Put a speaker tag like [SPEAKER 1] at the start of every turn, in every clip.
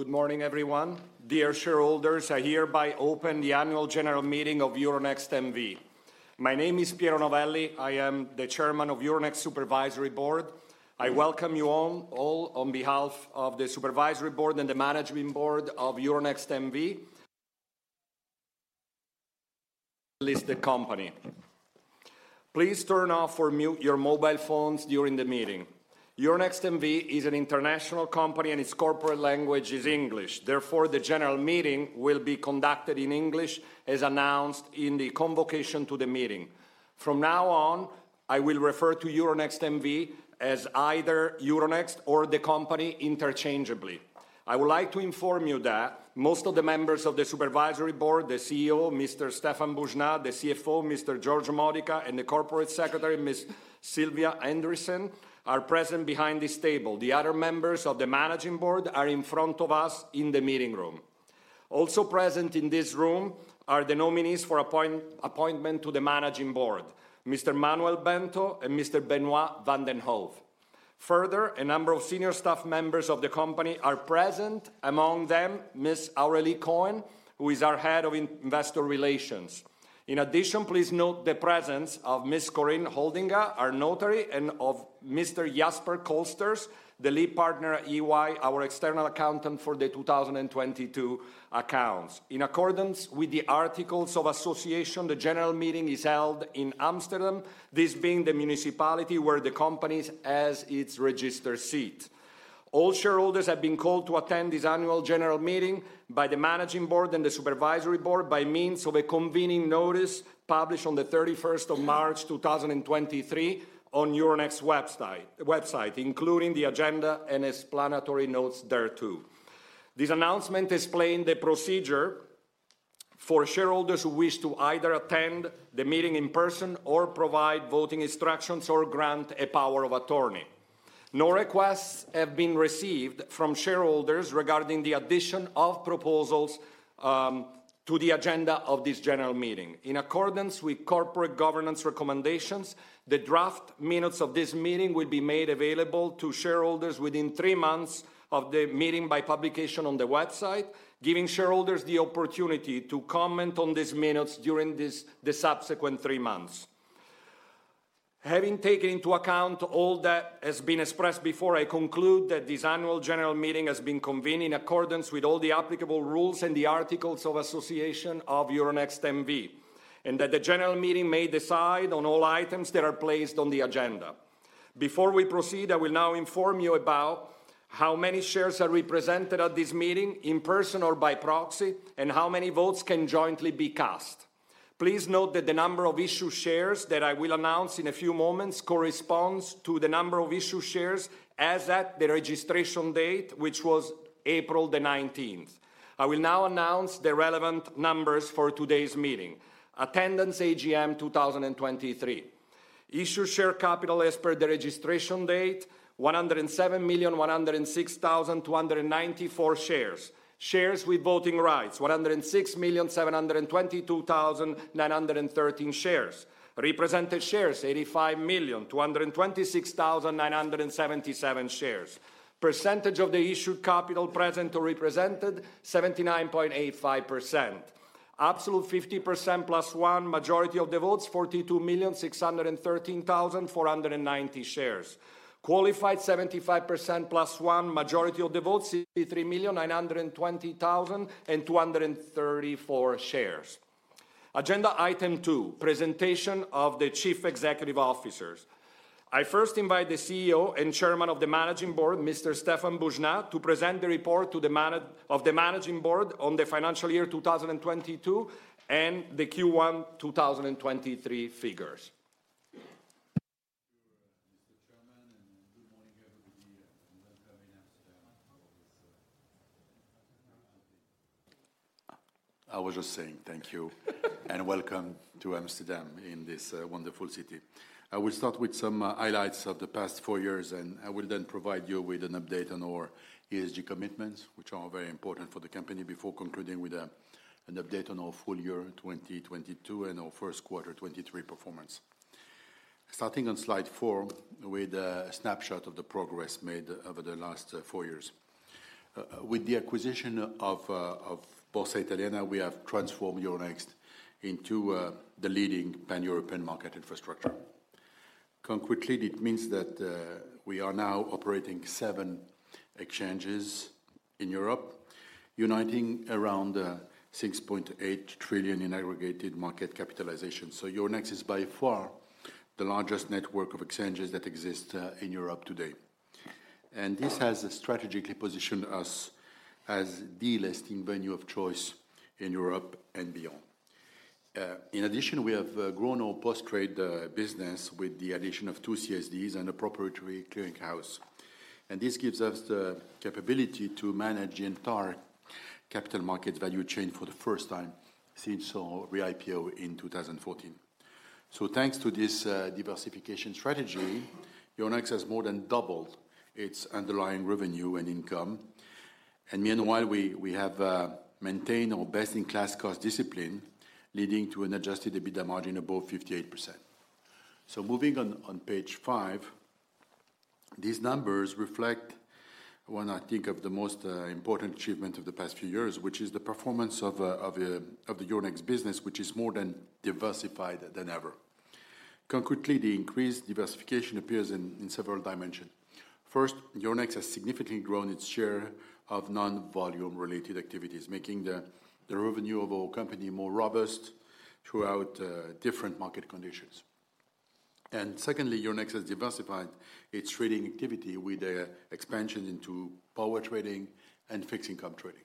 [SPEAKER 1] Good morning, everyone. Dear shareholders, I hereby open the annual general meeting of Euronext N.V. My name is Piero Novelli. I am the Chair of Euronext Supervisory Board. I welcome you all on behalf of the Supervisory Board and the Managing Board of Euronext N.V., list the company. Please turn off or mute your mobile phones during the meeting. Euronext N.V. is an international company, and its corporate language is English. Therefore, the general meeting will be conducted in English, as announced in the convocation to the meeting. From now on, I will refer to Euronext N.V. as either Euronext or the company interchangeably. I would like to inform you that most of the members of the Supervisory Board, the CEO, Mr. Stéphane Boujnah, the CFO, Mr. Giorgio Modica, and the Corporate Secretary, Ms. Sylvia Andriessen, are present behind this table. The other members of the managing board are in front of us in the meeting room. Also present in this room are the nominees for appointment to the managing board, Mr. Manuel Bento and Mr. Benoît van den Hove. A number of senior staff members of the company are present, among them Ms. Aurélie Cohen, who is our Head of Investor Relations. Please note the presence of Ms. Corinne Holdinga, our notary, and of Mr. Jasper Kolsters, the lead partner at EY, our external accountant for the 2022 accounts. In accordance with the articles of association, the general meeting is held in Amsterdam, this being the municipality where the companies has its registered seat. All shareholders have been called to attend this annual general meeting by the managing board and the supervisory board by means of a convening notice published on the 31st of March, 2023 on Euronext website, including the agenda and explanatory notes thereto. This announcement explained the procedure for shareholders who wish to either attend the meeting in person or provide voting instructions or grant a power of attorney. No requests have been received from shareholders regarding the addition of proposals to the agenda of this general meeting. In accordance with corporate governance recommendations, the draft minutes of this meeting will be made available to shareholders within three months of the meeting by publication on the website, giving shareholders the opportunity to comment on these minutes during this, the subsequent three months. Having taken into account all that has been expressed before, I conclude that this annual general meeting has been convened in accordance with all the applicable rules and the articles of association of Euronext N.V, and that the general meeting may decide on all items that are placed on the agenda. Before we proceed, I will now inform you about how many shares are represented at this meeting in person or by proxy and how many votes can jointly be cast. Please note that the number of issued shares that I will announce in a few moments corresponds to the number of issued shares as at the registration date, which was April the 19th. I will now announce the relevant numbers for today's meeting. Attendance AGM 2023. Issued share capital as per the registration date: 107,106,294 shares. Shares with voting rights: 106,722,913 shares. Represented shares: 85,226,977 shares. Percentage of the issued capital present or represented: 79.85%. Absolute 50% plus 1 majority of the votes: 42,613,490 shares. Qualified 75% plus one majority of the votes: 63,920,234 shares. Agenda item two: Presentation of the chief executive officers. I first invite the CEO and Chairman of the Managing Board. Mr.Stéphane Boujnah, to present the report of the managing board on the financial year 2022 and the Q1 2023 figures.
[SPEAKER 2] Thank you, Mr. Chairman, and good morning, everybody, and welcome in Amsterdam. I was just saying thank you and welcome to Amsterdam in this wonderful city. I will start with some highlights of the past four years, and I will then provide you with an update on our ESG commitments, which are very important for the company, before concluding with an update on our full year 2022 and our Q1 2023 performance. Starting on slide 4 with a snapshot of the progress made over the last four years. With the acquisition of Borsa Italiana, we have transformed Euronext into the leading Pan-European market infrastructure. Concretely, it means that we are now operating seven exchanges in Europe, uniting around 6.8 trillion in aggregated market capitalization. Euronext is by far the largest network of exchanges that exist in Europe today, and this has strategically positioned us as the listing venue of choice in Europe and beyond. In addition, we have grown our post-trade business with the addition of two CSDs and a proprietary clearing house, and this gives us the capability to manage the entire capital market value chain for the first time since our re-IPO in 2014. Thanks to this diversification strategy, Euronext has more than doubled its underlying revenue and income. Meanwhile, we have maintained our best-in-class cost discipline, leading to an adjusted EBITDA margin above 58%. Moving on page 5, these numbers reflect what I think of the most important achievement of the past few years, which is the performance of the Euronext business, which is more than diversified than ever. Concretely, the increased diversification appears in several dimensions. First, Euronext has significantly grown its share of non-volume related activities, making the revenue of our company more robust throughout different market conditions. Secondly, Euronext has diversified its trading activity with the expansion into power trading and fixed income trading.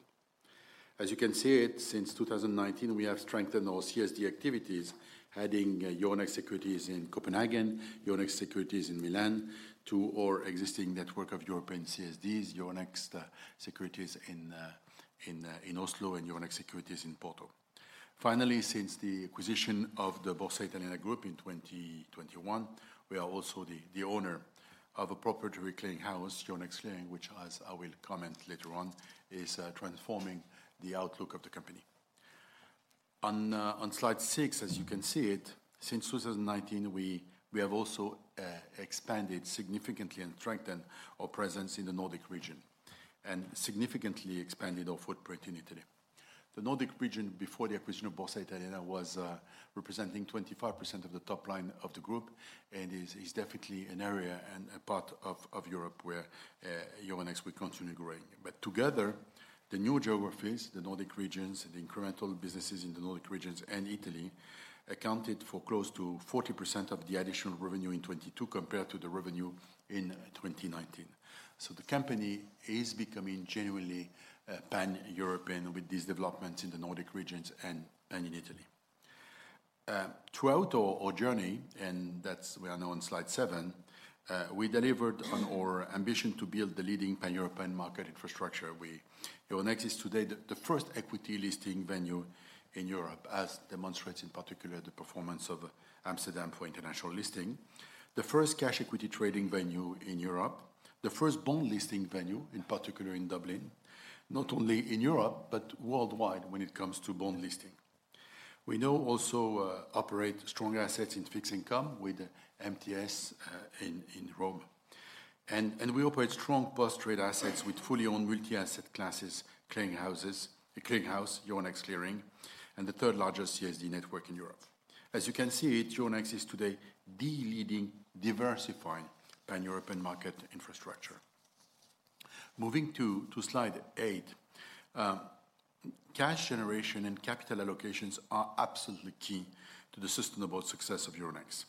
[SPEAKER 2] As you can see it, since 2019, we have strengthened our CSD activities, adding Euronext Securities Copenhagen, Euronext Securities Milan, to our existing network of European CSDs, Euronext Securities Oslo and Euronext Securities Porto. Finally, since the acquisition of the Borsa Italiana Group in 2021, we are also the owner of a proprietary clearing house, Euronext Clearing, which as I will comment later on, is transforming the outlook of the company. On slide 6, as you can see it, since 2019, we have also expanded significantly and strengthened our presence in the Nordic region and significantly expanded our footprint in Italy. The Nordic region, before the acquisition of Borsa Italiana, was representing 25% of the top line of the group and is definitely an area and a part of Europe where Euronext will continue growing. Together, the new geographies, the Nordic regions, the incremental businesses in the Nordic regions and Italy, accounted for close to 40% of the additional revenue in 2022 compared to the revenue in 2019. The company is becoming genuinely Pan-European with these developments in the Nordic regions and in Italy. Throughout our journey, we are now on slide seven, we delivered on our ambition to build the leading Pan-European market infrastructure. Euronext is today the first equity listing venue in Europe, as demonstrated in particular the performance of Amsterdam for international listing. The first cash equity trading venue in Europe, the first bond listing venue, in particular in Dublin, not only in Europe, but worldwide when it comes to bond listing. We now also operate strong assets in fixed income with MTS in Rome. We operate strong post-trade assets with fully owned multi-asset classes clearing houses, a clearing house, Euronext Clearing, and the third-largest CSD network in Europe. As you can see it, Euronext is today the leading diversifying Pan-European market infrastructure. Moving to slide eight, cash generation and capital allocations are absolutely key to the sustainable success of Euronext.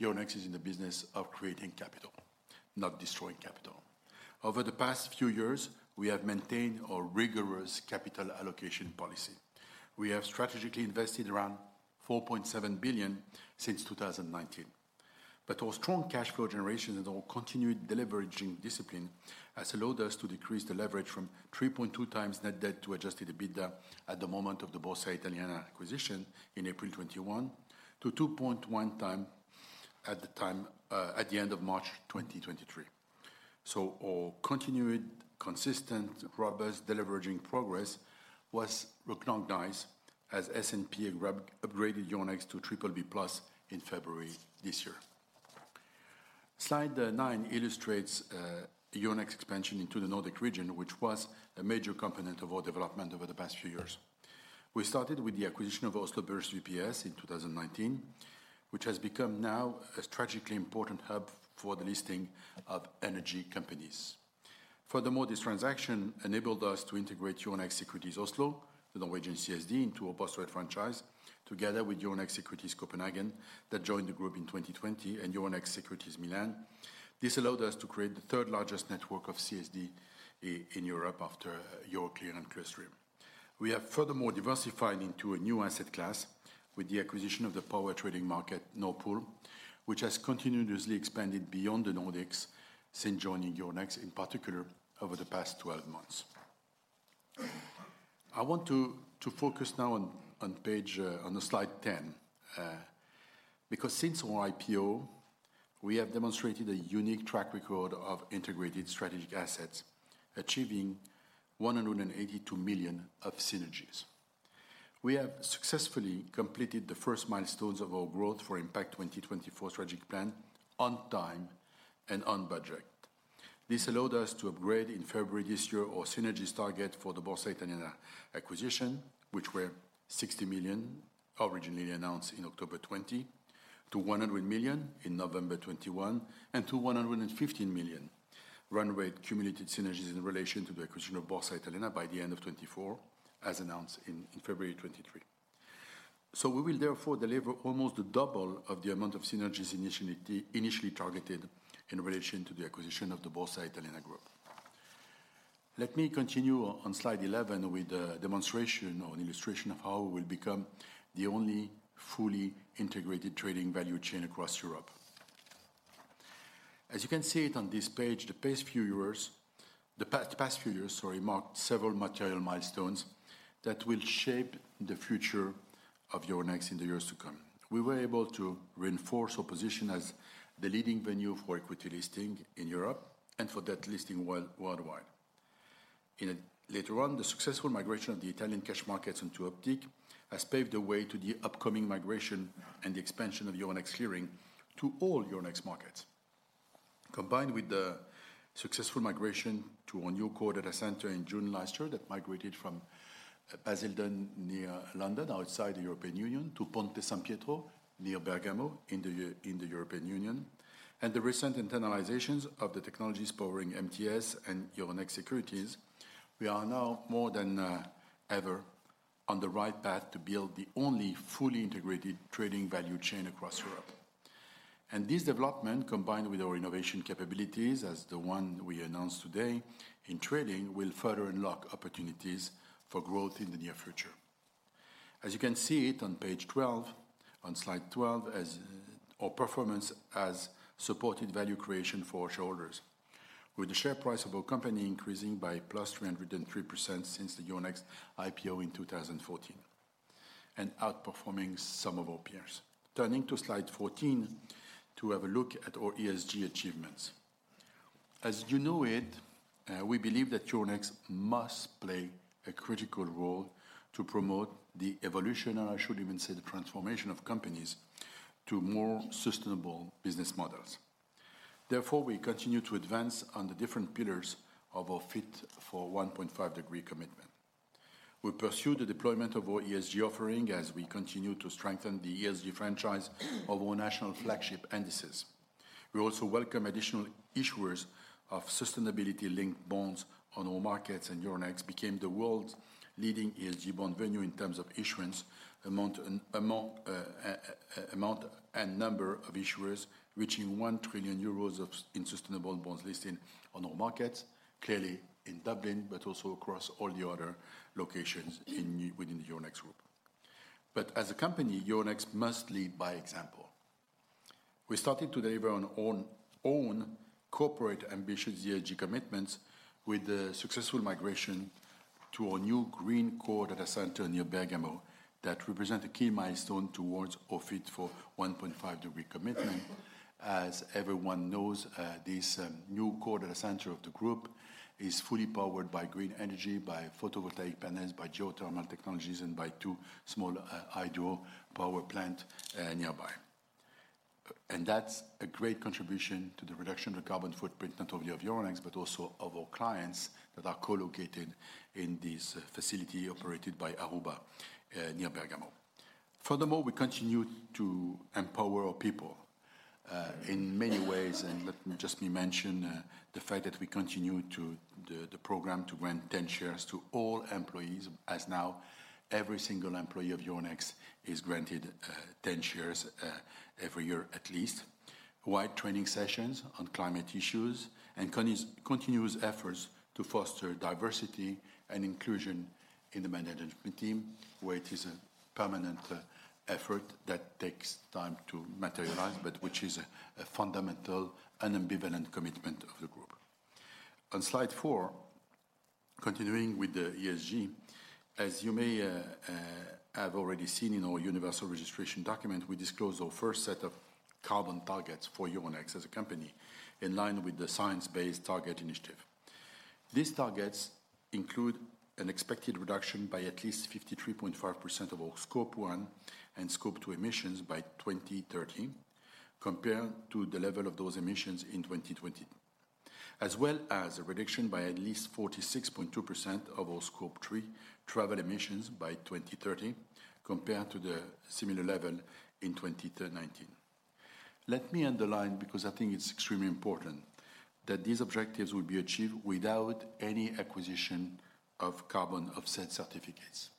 [SPEAKER 2] Euronext is in the business of creating capital, not destroying capital. Over the past few years, we have maintained our rigorous capital allocation policy. We have strategically invested around 4.7 billion since 2019. Our strong cash flow generation and our continued deleveraging discipline has allowed us to decrease the leverage from 3.2 times net debt to adjusted EBITDA at the moment of the Borsa Italiana acquisition in April 2021 to 2.1 time at the time, at the end of March 2023. Our continued consistent, robust deleveraging progress was recognized as S&P upgraded Euronext to BBB+ in February this year. Slide 9 illustrates Euronext expansion into the Nordic region, which was a major component of our development over the past few years. We started with the acquisition of Oslo Børs VPS in 2019, which has become now a strategically important hub for the listing of energy companies. This transaction enabled us to integrate Euronext Securities Oslo, the Norwegian CSD, into a post-trade franchise, together with Euronext Securities Copenhagen, that joined the group in 2020, and Euronext Securities Milan. This allowed us to create the third-largest network of CSD in Europe after Euroclear and Clearstream. We have furthermore diversified into a new asset class with the acquisition of the power trading market, Nord Pool, which has continuously expanded beyond the Nordics since joining Euronext, in particular over the past 12 months. I want to focus now on page on the slide 10, because since our IPO, we have demonstrated a unique track record of integrated strategic assets, achieving 182 million of synergies. We have successfully completed the first milestones of the Growth for Impact 2024 strategic plan on time and on budget. This allowed us to upgrade in February this year, our synergies target for the Borsa Italiana acquisition, which were 60 million, originally announced in October 2020, to 100 million in November 2021, and to 115 million run rate cumulative synergies in relation to the acquisition of Borsa Italiana by the end of 2024, as announced in February 2023. We will therefore deliver almost double of the amount of synergies initially targeted in relation to the acquisition of the Borsa Italiana Group. Let me continue on slide 11 with a demonstration or an illustration of how we'll become the only fully integrated trading value chain across Europe. As you can see it on this page, the past few years, sorry, marked several material milestones that will shape the future of Euronext in the years to come. We were able to reinforce our position as the leading venue for equity listing in Europe and for debt listing world-worldwide. The successful migration of the Italian cash markets into Optiq has paved the way to the upcoming migration and the expansion of Euronext Clearing to all Euronext markets. Combined with the successful migration to a new core data center in June last year that migrated from Basildon near London, outside the European Union, to Ponte San Pietro near Bergamo in the European Union, and the recent internalizations of the technologies powering MTS and Euronext Securities, we are now more than ever on the right path to build the only fully integrated trading value chain across Europe. This development, combined with our innovation capabilities, as the one we announced today in trading, will further unlock opportunities for growth in the near future. As you can see it on page 12, on slide 12, as our performance has supported value creation for our shareholders. With the share price of our company increasing by +303% since the Euronext IPO in 2014, and outperforming some of our peers. Turning to slide 14 to have a look at our ESG achievements. As you know it, we believe that Euronext must play a critical role to promote the evolution, and I should even say the transformation of companies to more sustainable business models. Therefore, we continue to advance on the different pillars of our Fit for 1.5° commitment. We pursue the deployment of our ESG offering as we continue to strengthen the ESG franchise of our national flagship indices. We also welcome additional issuers of sustainability-linked bonds on our markets, Euronext became the world's leading ESG bond venue in terms of issuance amount and number of issuers, reaching 1 trillion euros in sustainable bonds listing on our markets, clearly in Dublin, also across all the other locations within the Euronext Group. As a company, Euronext must lead by example. We started to deliver on our own corporate ambitious ESG commitments with the successful migration to our new green core data center near Bergamo that represent a key milestone towards our Fit for 1.5° commitment. As everyone knows, this new core data center of the group is fully powered by green energy, by photovoltaic panels, by geothermal technologies, and by two small hydro power plant nearby. That's a great contribution to the reduction of the carbon footprint, not only of Euronext, but also of our clients that are co-located in this facility operated by Aruba, near Bergamo. Furthermore, we continue to empower our people in many ways, and let me just mention the fact that we continue to the program to grant 10 shares to all employees, as now every single employee of Euronext is granted 10 shares every year at least. Wide training sessions on climate issues and continuous efforts to foster diversity and inclusion in the management team, where it is a permanent effort that takes time to materialize, but which is a fundamental and ambivalent commitment of the group. On slide four, continuing with the ESG, as you may have already seen in our Universal Registration Document, we disclosed our first set of carbon targets for Euronext as a company in line with the Science Based Targets initiative. These targets include an expected reduction by at least 53.5% of our Scope 1 and Scope two emissions by 2030 compared to the level of those emissions in 2020, as well as a reduction by at least 46.2% of our Scope 3 travel emissions by 2030 compared to the similar level in 2019. Let me underline, because I think it's extremely important, that these objectives will be achieved without any acquisition of carbon offset certificates,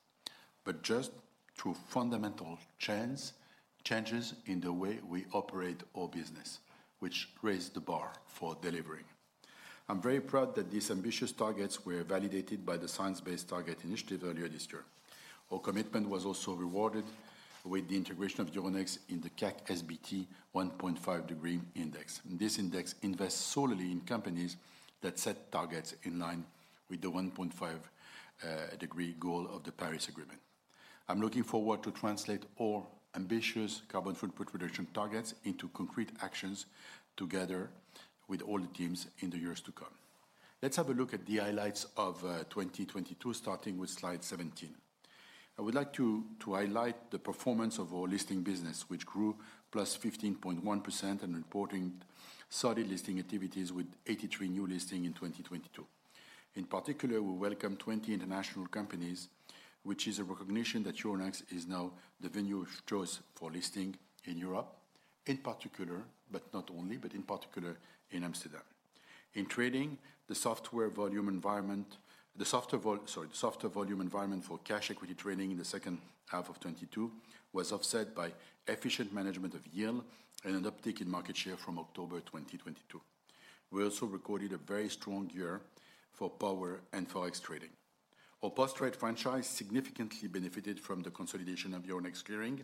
[SPEAKER 2] but just through fundamental changes in the way we operate our business, which raised the bar for delivering. I'm very proud that these ambitious targets were validated by the Science Based Targets initiative earlier this year. Our commitment was also rewarded with the integration of Euronext in the CAC SBT 1.5° index. This index invests solely in companies that set targets in line with the 1.5 degree goal of the Paris Agreement. I'm looking forward to translate our ambitious carbon footprint reduction targets into concrete actions together with all the teams in the years to come. Let's have a look at the highlights of 2022, starting with slide 17. I would like to highlight the performance of our listing business, which grew +15.1% and reporting solid listing activities with 83 new listing in 2022. In particular, we welcome 20 international companies, which is a recognition that Euronext is now the venue of choice for listing in Europe, in particular, but not only, but in particular in Amsterdam. In trading, the software volume environment for cash equity trading in the second half of 2022 was offset by efficient management of yield and an uptick in market share from October 2022. We also recorded a very strong year for power and forex trading. Our post-trade franchise significantly benefited from the consolidation of Euronext Clearing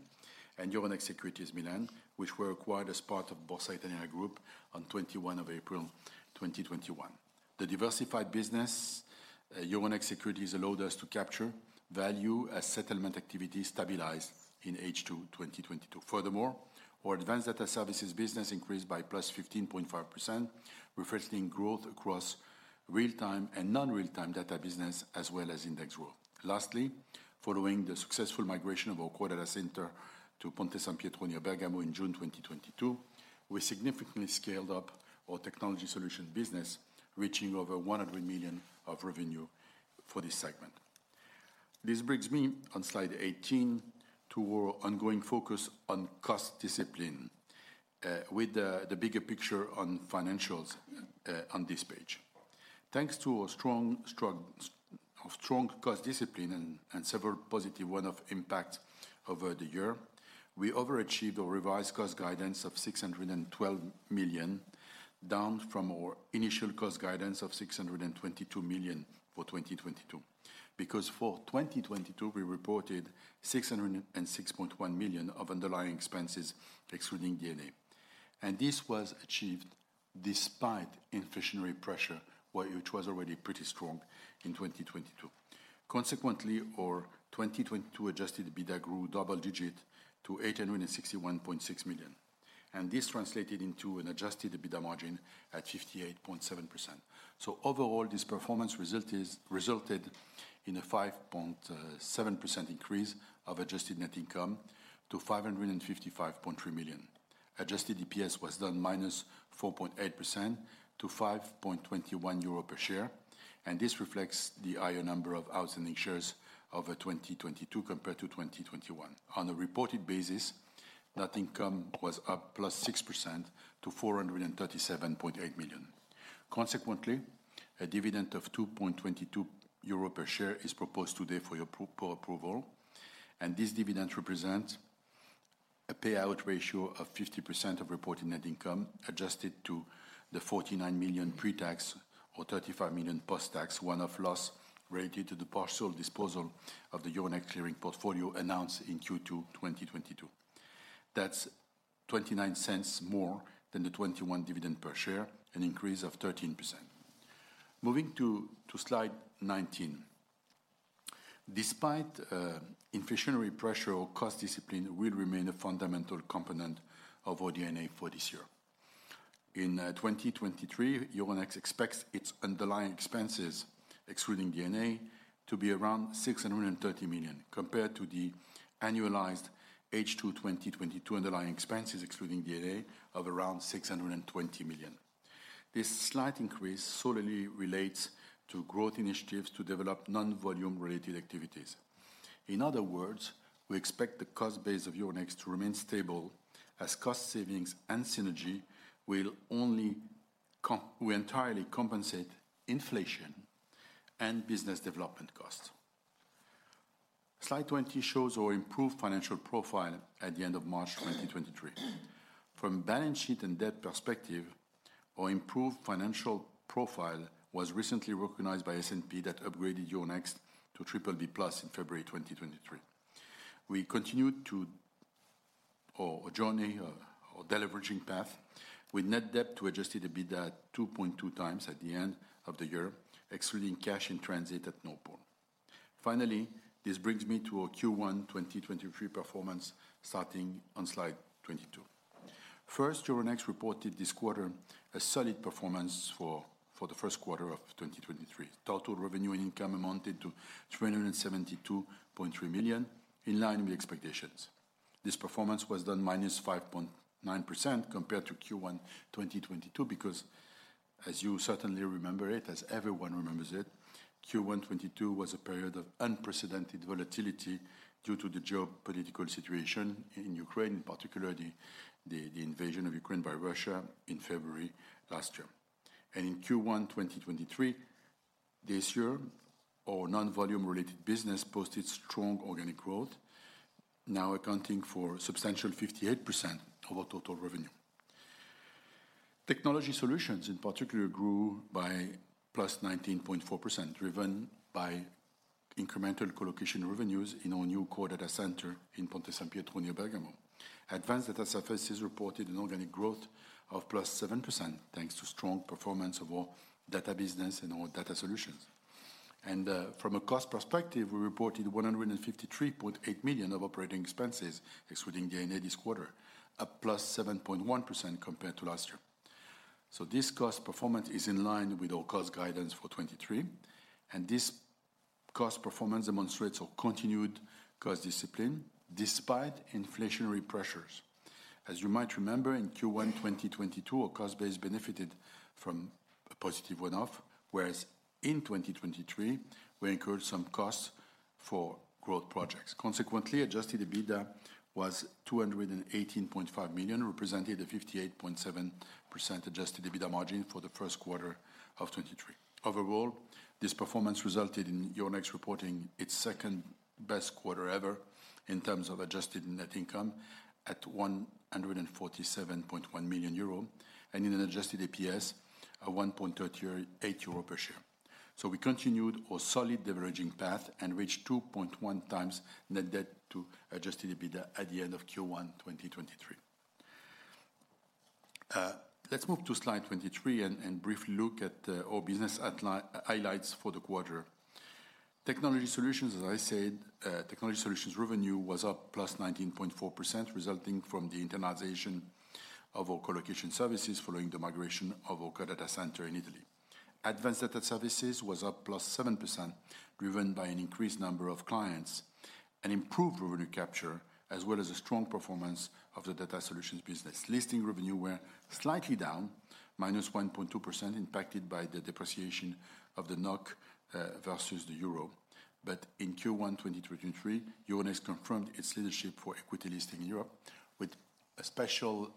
[SPEAKER 2] and Euronext Securities Milan, which were acquired as part of Borsa Italiana Group on 21 of April 2021. The diversified business Euronext Securities allowed us to capture-Value as settlement activity stabilized in H2 2022. Furthermore, our advanced data services business increased by +15.5%, reflecting growth across real-time and non-real time data business as well as index rule. Lastly, following the successful migration of our core data center to Ponte San Pietro near Bergamo in June 2022, we significantly scaled up our technology solution business, reaching over 100 million of revenue for this segment. This brings me on slide 18 to our ongoing focus on cost discipline, with the bigger picture on financials on this page. Thanks to our strong cost discipline and several positive one-off impact over the year, we overachieved our revised cost guidance of 612 million, down from our initial cost guidance of 622 million for 2022. For 2022, we reported 606.1 million of underlying expenses excluding D&A. This was achieved despite inflationary pressure, which was already pretty strong in 2022. Consequently, our 2022 adjusted EBITDA grew double-digit to 861.6 million. This translated into an adjusted EBITDA margin at 58.7%. Overall, this performance resulted in a 5.7% increase of adjusted net income to 555.3 million. Adjusted EPS was down -4.8% to 5.21 euro per share, and this reflects the higher number of outstanding shares over 2022 compared to 2021. On a reported basis, net income was up +6% to 437.8 million. Consequently, a dividend of 2.22 euro per share is proposed today for your approval. This dividend represents a payout ratio of 50% of reported net income, adjusted to the 49 million pre-tax or 35 million post-tax one-off loss related to the partial disposal of the Euronext Clearing portfolio announced in Q2 2022. That's 0.29 more than the 2021 dividend per share, an increase of 13%. Moving to slide 19. Despite inflationary pressure, our cost discipline will remain a fundamental component of our D&A for this year. In 2023, Euronext expects its underlying expenses, excluding D&A, to be around 630 million compared to the annualized H2 2022 underlying expenses excluding D&A of around 620 million. This slight increase solely relates to growth initiatives to develop non-volume related activities. In other words, we expect the cost base of Euronext to remain stable as cost savings and synergy will entirely compensate inflation and business development costs. Slide 20 shows our improved financial profile at the end of March 2023. From balance sheet and debt perspective, our improved financial profile was recently recognized by S&P that upgraded Euronext to BBB+ in February 2023. We continued to our journey, our deleveraging path with net debt to adjusted EBITDA 2.2 times at the end of the year, excluding cash and transit at NetPromoter. This brings me to our Q1 2023 performance, starting on slide 22. Euronext reported this quarter a solid performance for the Q1 of 2023. Total revenue and income amounted to 372.3 million, in line with expectations. This performance was down -5.9% compared to Q1 2022 because as you certainly remember it, as everyone remembers it, Q1 2022 was a period of unprecedented volatility due to the geopolitical situation in Ukraine, in particular the invasion of Ukraine by Russia in February last year. In Q1 2023, this year, our non-volume related business posted strong organic growth, now accounting for substantial 58% of our total revenue. Technology solutions in particular grew by +19.4%, driven by incremental colocation revenues in our new core data center in Ponte San Pietro near Bergamo. Advanced Data Services reported an organic growth of +7%, thanks to strong performance of our data business and our data solutions. From a cost perspective, we reported 153.8 million of operating expenses, excluding D&A this quarter, up +7.1% compared to last year. This cost performance is in line with our cost guidance for 2023, and this cost performance demonstrates our continued cost discipline despite inflationary pressures. As you might remember, in Q1 2022, our cost base benefited from a positive one-off, whereas in 2023 we incurred some costs for growth projects. Adjusted EBITDA was 218.5 million, representing a 58.7% adjusted EBITDA margin for the Q1 of 2023. This performance resulted in Euronext reporting its second-best quarter ever in terms of adjusted net income at 147.1 million euro, and in an adjusted EPS of 1.38 euro per share. We continued our solid deleveraging path and reached 2.1 times net debt to adjusted EBITDA at the end of Q1 2023. Let's move to slide 23 and briefly look at our business highlights for the quarter. Technology solutions, as I said, technology solutions revenue was up +19.4%, resulting from the internalization of our colocation services following the migration of our core data center in Italy. Advanced data services was up +7%, driven by an increased number of clients and improved revenue capture, as well as a strong performance of the data solutions business. Listing revenue were slightly down, -1.2%, impacted by the depreciation of the NOK versus the euro. In Q1 2023, Euronext confirmed its leadership for equity listing in Europe with a special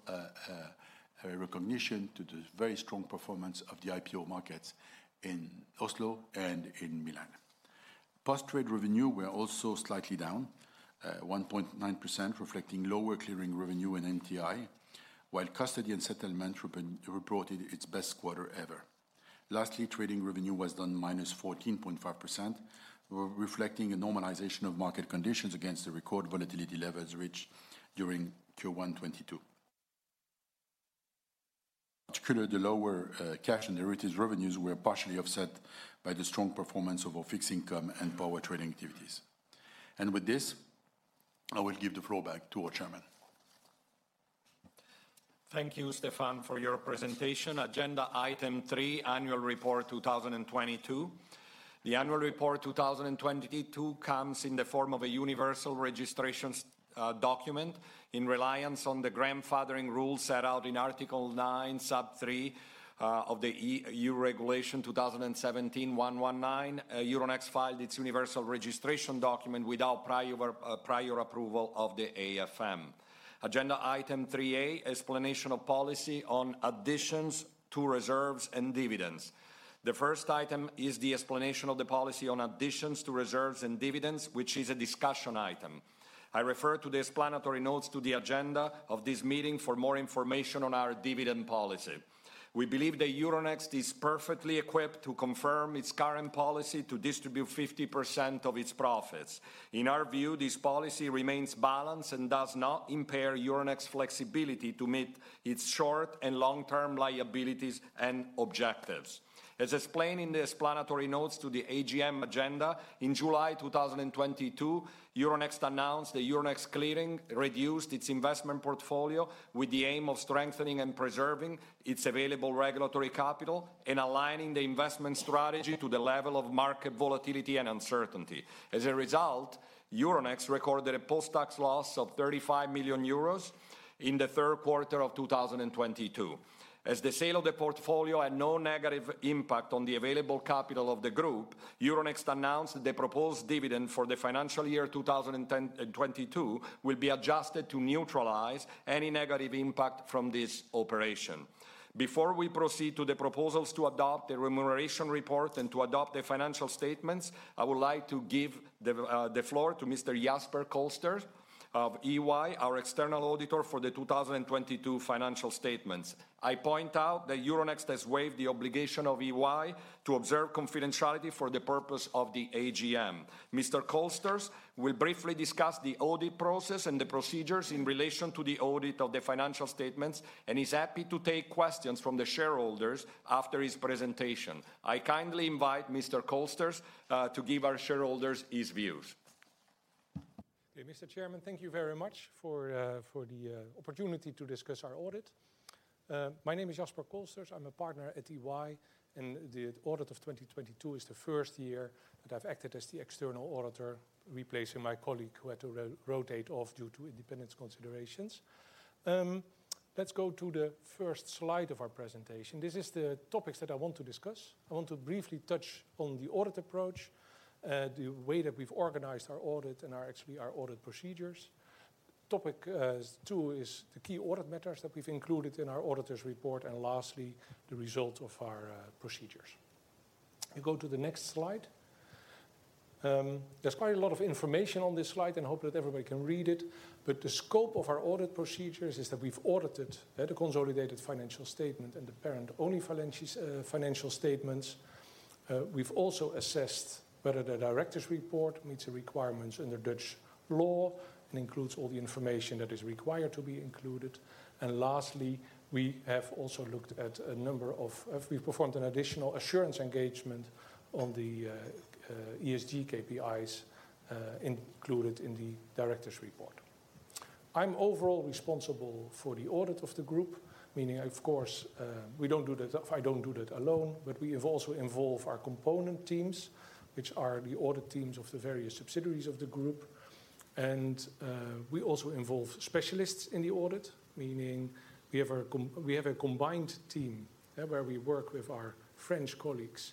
[SPEAKER 2] recognition to the very strong performance of the IPO markets in Oslo and in Milan. Post-trade revenue were also slightly down 1.9%, reflecting lower clearing revenue and NTI, while custody and settlement reported its best quarter ever. Lastly, trading revenue was down -14.5%, reflecting a normalization of market conditions against the record volatility levels reached during Q1 2022. Particularly, the lower cash and derivatives revenues were partially offset by the strong performance of our fixed income and power trading activities. With this, I will give the floor back to our chairman.
[SPEAKER 1] Thank you, Stephane, for your presentation. Agenda item three, annual report 2022. The annual report 2022 comes in the form of a Universal Registration Document in reliance on the grandfathering rules set out in Article 9(3) of the Regulation (EU) 2017/1129. Euronext filed its Universal Registration Document without prior approval of the AFM. Agenda item three-A, explanation of policy on additions to reserves and dividends. The first item is the explanation of the policy on additions to reserves and dividends, which is a discussion item. I refer to the explanatory notes to the agenda of this meeting for more information on our dividend policy. We believe that Euronext is perfectly equipped to confirm its current policy to distribute 50% of its profits. In our view, this policy remains balanced and does not impair Euronext's flexibility to meet its short and long-term liabilities and objectives. As explained in the explanatory notes to the AGM agenda, in July 2022, Euronext announced that Euronext Clearing reduced its investment portfolio with the aim of strengthening and preserving its available regulatory capital and aligning the investment strategy to the level of market volatility and uncertainty. As a result, Euronext recorded a post-tax loss of 35 million euros in the Q3 of 2022. As the sale of the portfolio had no negative impact on the available capital of the group, Euronext announced the proposed dividend for the financial year 2022 will be adjusted to neutralize any negative impact from this operation. Before we proceed to the proposals to adopt the remuneration report and to adopt the financial statements, I would like to give the floor to Mr. Jasper Kolsters of EY, our external auditor for the 2022 financial statements. I point out that Euronext has waived the obligation of EY to observe confidentiality for the purpose of the AGM. Mr. Kolsters will briefly discuss the audit process and the procedures in relation to the audit of the financial statements, and he's happy to take questions from the shareholders after his presentation. I kindly invite Mr. Kolsters to give our shareholders his views.
[SPEAKER 3] Okay, Mr. Chairman, thank you very much for the opportunity to discuss our audit. My name is Jasper Kolsters. I'm a partner at EY, and the audit of 2022 is the first year that I've acted as the external auditor, replacing my colleague who had to rotate off due to independence considerations. Let's go to the first slide of our presentation. This is the topics that I want to discuss. I want to briefly touch on the audit approach, the way that we've organized our audit and our, actually, our audit procedures. Topic 2 is the key audit matters that we've included in our auditor's report, and lastly, the results of our procedures. We go to the next slide. There's quite a lot of information on this slide, and hope that everybody can read it. The scope of our audit procedures is that we've audited the consolidated financial statement and the parent-only financial statements. We've also assessed whether the director's report meets the requirements under Dutch law and includes all the information that is required to be included. Lastly, we have also looked at a number of We performed an additional assurance engagement on the ESG KPIs included in the director's report. I'm overall responsible for the audit of the group, meaning of course, we don't do that, I don't do that alone, but we have also involved our component teams, which are the audit teams of the various subsidiaries of the group. We also involve specialists in the audit, meaning we have a combined team where we work with our French colleagues.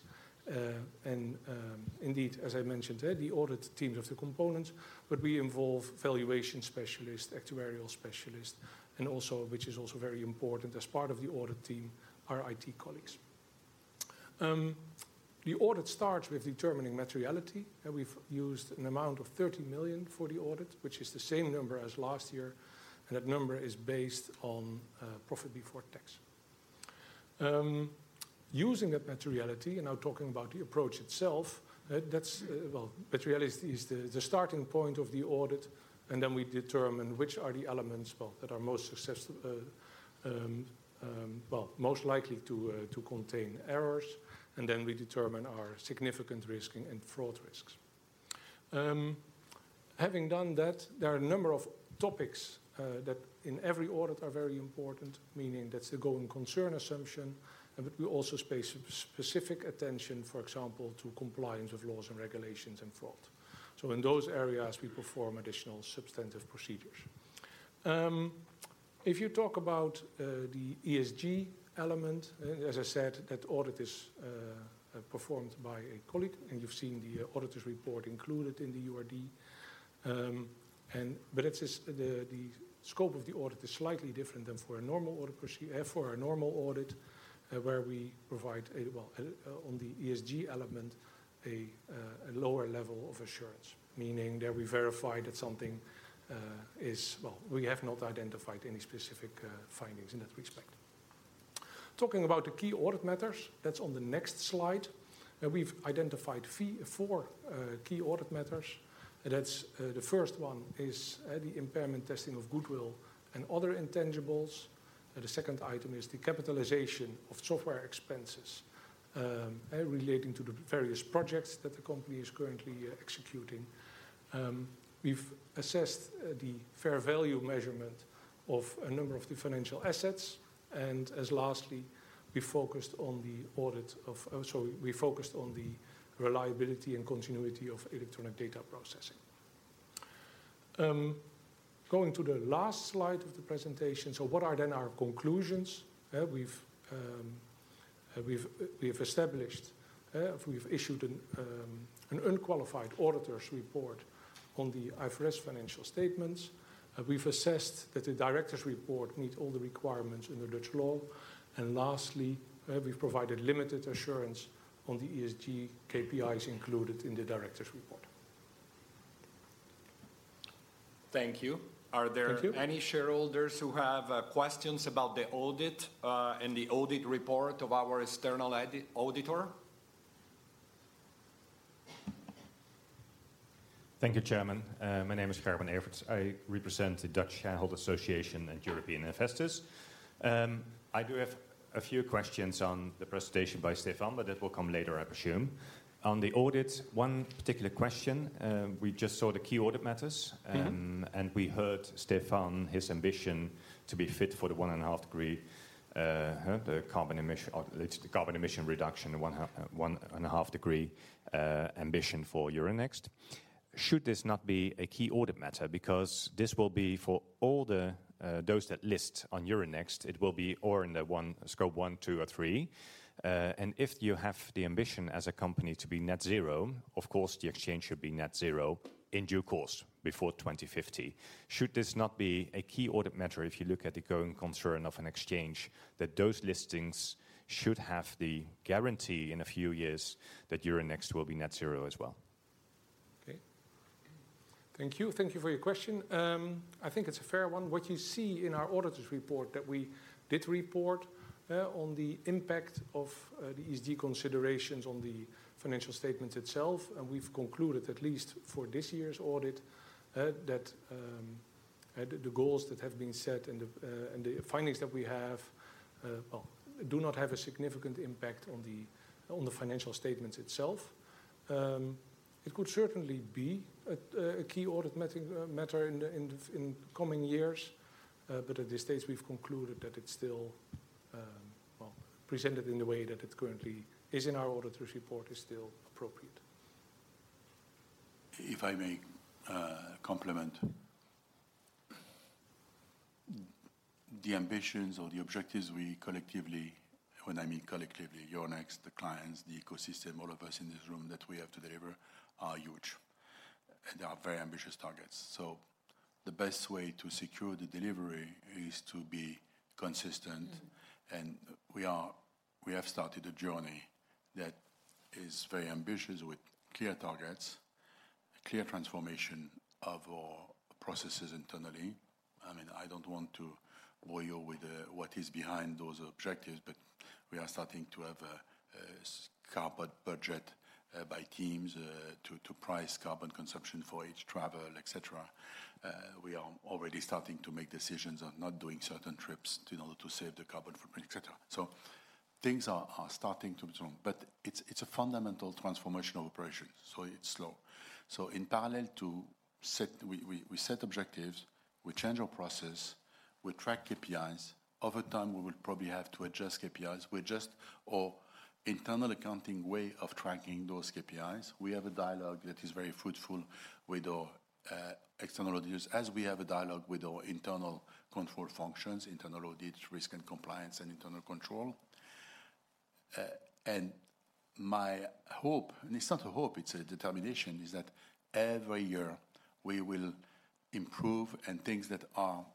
[SPEAKER 3] Indeed, as I mentioned, the audit teams of the components, but we involve valuation specialists, actuarial specialists, and also, which is also very important as part of the audit team, our IT colleagues. The audit starts with determining materiality. We've used an amount of 30 million for the audit, which is the same number as last year. That number is based on profit before tax. Using that materiality and now talking about the approach itself, that's, well, materiality is the starting point of the audit. Then we determine which are the elements, well, that are most successful, well, most likely to contain errors. Then we determine our significant risk and fraud risks. Having done that, there are a number of topics that in every audit are very important, meaning that's the going concern assumption, and we also space specific attention, for example, to compliance of laws and regulations and fraud. In those areas, we perform additional substantive procedures. If you talk about the ESG element, as I said, that audit is performed by a colleague, and you've seen the auditor's report included in the URD. The scope of the audit is slightly different than for a normal audit, where we provide a, well, a, on the ESG element, a lower level of assurance, meaning there we verify that something is, well, we have not identified any specific findings in that respect. Talking about the key audit matters, that's on the next slide. We've identified three, four key audit matters. That's, the first one is, the impairment testing of goodwill and other intangibles. The second item is the capitalization of software expenses, relating to the various projects that the company is currently executing. We've assessed, the fair value measurement of a number of the financial assets, and as lastly, we focused on the reliability and continuity of electronic data processing. Going to the last slide of the presentation. What are then our conclusions? We've established, we've issued an unqualified auditor's report on the IFRS financial statements. We've assessed that the director's report meet all the requirements in the Dutch law. Lastly, we've provided limited assurance on the ESG KPIs included in the director's report.
[SPEAKER 1] Thank you.
[SPEAKER 3] Thank you.
[SPEAKER 1] Are there any shareholders who have questions about the audit and the audit report of our external auditor?
[SPEAKER 4] Thank you, Chairman. My name is Gerben Everts. I represent the Dutch Investors' Association and European Investors. I do have a few questions on the presentation by Stefan, but that will come later, I presume. On the audit, one particular question, we just saw the key audit matters-
[SPEAKER 3] Mm-hmm.
[SPEAKER 4] We heard Stephane, his ambition to be fit for the 1.5°, the carbon emission reduction, the 1.5° ambition for Euronext. Should this not be a key audit matter? Because this will be for all the those that list on Euronext, it will be or in the one Scope one, two, or three. If you have the ambition as a company to be net zero, of course, the exchange should be net zero in due course before 2050. Should this not be a key audit matter if you look at the going concern of an exchange, that those listings should have the guarantee in a few years that Euronext will be net zero as well?
[SPEAKER 3] Okay. Thank you. Thank you for your question. I think it's a fair one. What you see in our auditor's report that we did report on the impact of the ESG considerations on the financial statement itself, and we've concluded at least for this year's audit that the goals that have been set and the findings that we have, well, do not have a significant impact on the financial statements itself. It could certainly be a key audit matter in the coming years, but at this stage, we've concluded that it's still, well, presented in the way that it currently is in our auditor's report is still appropriate.
[SPEAKER 2] If I may complement. The ambitions or the objectives we collectively, when I mean collectively, Euronext, the clients, the ecosystem, all of us in this room that we have to deliver, are huge, and they are very ambitious targets. The best way to secure the delivery is to be consistent, and we have started a journey that is very ambitious with clear targets, a clear transformation of our processes internally. I don't want to bore you with what is behind those objectives, but we are starting to have a carbon budget by teams to price carbon consumption for each travel, etcetera. We are already starting to make decisions on not doing certain trips in order to save the carbon footprint, etcetera. Things are starting to move, but it's a fundamental transformational operation, so it's slow. In parallel we set objectives, we change our process, we track KPIs. Over time, we will probably have to adjust KPIs. We adjust our internal accounting way of tracking those KPIs. We have a dialogue that is very fruitful with our external auditors, as we have a dialogue with our internal control functions, internal audit, risk and compliance, and internal control. And my hope, and it's not a hope, it's a determination, is that every year we will improve, and things that are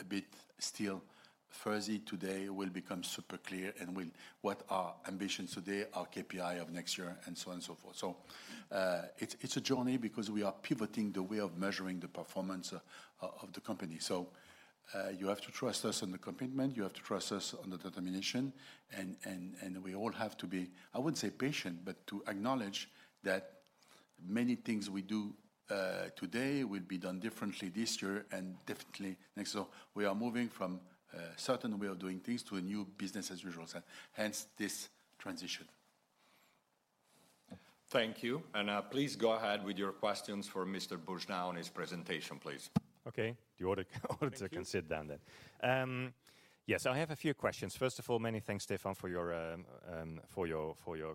[SPEAKER 2] a bit still fuzzy today will become super clear and what are ambitions today, our KPI of next year, and so on and so forth. It's a journey because we are pivoting the way of measuring the performance of the company. You have to trust us on the commitment, you have to trust us on the determination and we all have to be, I wouldn't say patient, but to acknowledge that many things we do today will be done differently this year and differently next. We are moving from a certain way of doing things to a new business as usual. Hence this transition.
[SPEAKER 1] Thank you. Now please go ahead with your questions for Mr. Stéphane Boujnah and his presentation, please.
[SPEAKER 4] Okay. The auditor.
[SPEAKER 1] Thank you.
[SPEAKER 4] Auditor can sit down. Yes, I have a few questions. First of all, many thanks, Stéphane, for your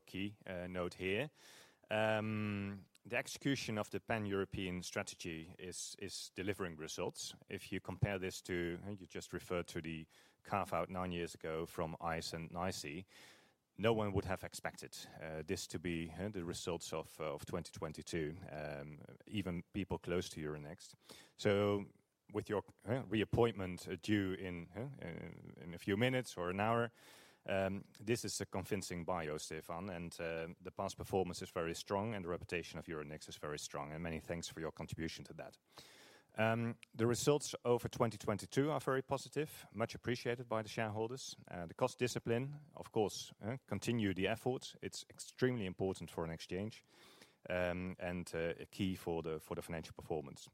[SPEAKER 4] key note here. The execution of the Pan-European strategy is delivering results. If you compare this to, you just referred to the carve-out 9 years ago from ICE and ICE, no one would have expected this to be the results of 2022, even people close to Euronext. With your reappointment due in a few minutes or an hour, this is a convincing bio, Stéphane, and the past performance is very strong and the reputation of Euronext is very strong and many thanks for your contribution to that. The results over 2022 are very positive, much appreciated by the shareholders. The cost discipline, of course, continue the effort. It's extremely important for an exchange, and a key for the financial performance.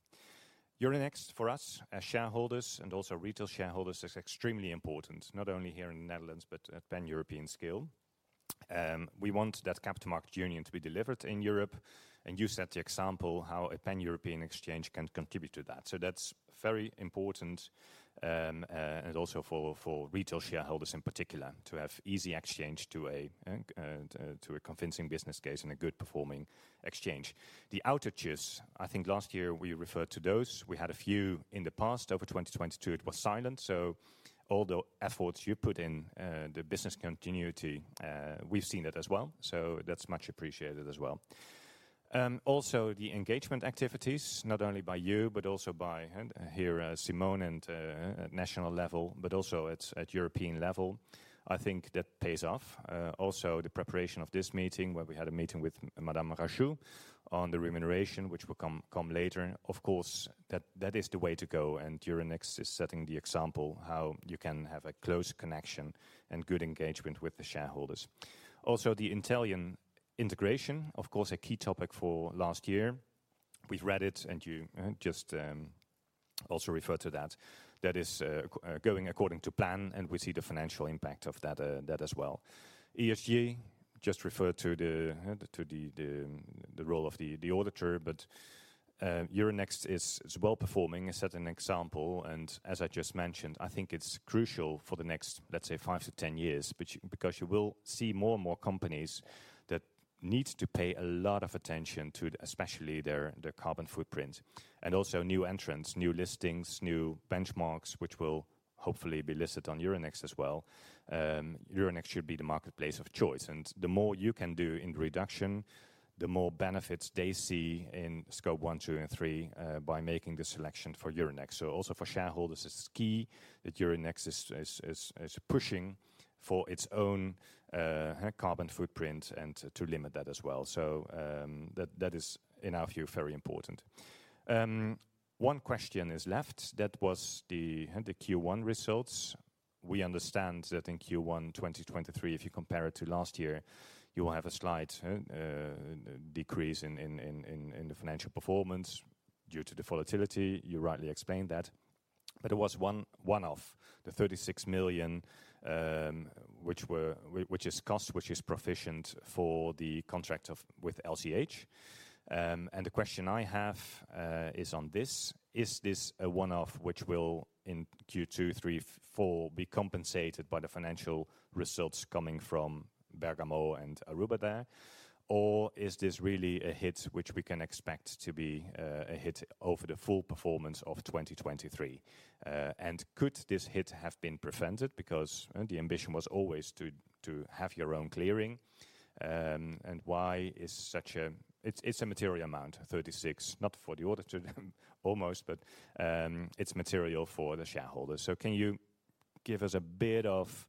[SPEAKER 4] Euronext for us as shareholders and also retail shareholders is extremely important, not only here in the Netherlands but at Pan-European scale. We want that Capital Markets Union to be delivered in Europe, and you set the example how a Pan-European exchange can contribute to that. That's very important, and also for retail shareholders in particular, to have easy exchange to a convincing business case and a good performing exchange. The outages, I think last year we referred to those. We had a few in the past. Over 2022 it was silent. All the efforts you put in the business continuity, we've seen it as well, that's much appreciated as well. Also the engagement activities, not only by you but also by here, Simone and at national level, but also at European level, I think that pays off. Also the preparation of this meeting, where we had a meeting with Madame Rachou on the remuneration, which will come later. Of course, that is the way to go and Euronext is setting the example how you can have a close connection and good engagement with the shareholders. Also, the Intellian integration, of course, a key topic for last year. We've read it and you just also referred to that. That is going according to plan, and we see the financial impact of that as well. ESG just referred to the role of the auditor. Euronext is well-performing, is setting an example, and as I just mentioned, I think it's crucial for the next, let's say, five to 10 years because you will see more and more companies that need to pay a lot of attention to especially their carbon footprint and also new entrants, new listings, new benchmarks, which will hopefully be listed on Euronext as well. Euronext should be the marketplace of choice, and the more you can do in the reduction, the more benefits they see in Scope 1, 2, and 3, by making the selection for Euronext. Also for shareholders, it's key that Euronext is pushing for its own carbon footprint and to limit that as well. That, that is, in our view, very important. One question is left. That was the Q1 results. We understand that in Q1 2023, if you compare it to last year, you will have a slight decrease in the financial performance due to the volatility. You rightly explained that. It was one-off, the 36 million, which is cost, which is proficient for the contract of, with LCH. The question I have is on this: Is this a one-off, which will in Q2, 3, 4 be compensated by the financial results coming from Bergamo and Aruba there? Or is this really a hit which we can expect to be a hit over the full performance of 2023? Could this hit have been prevented? The ambition was always to have your own clearing. Why is such a material amount, 36, not for the auditor almost, but it's material for the shareholders. Can you give us a bit of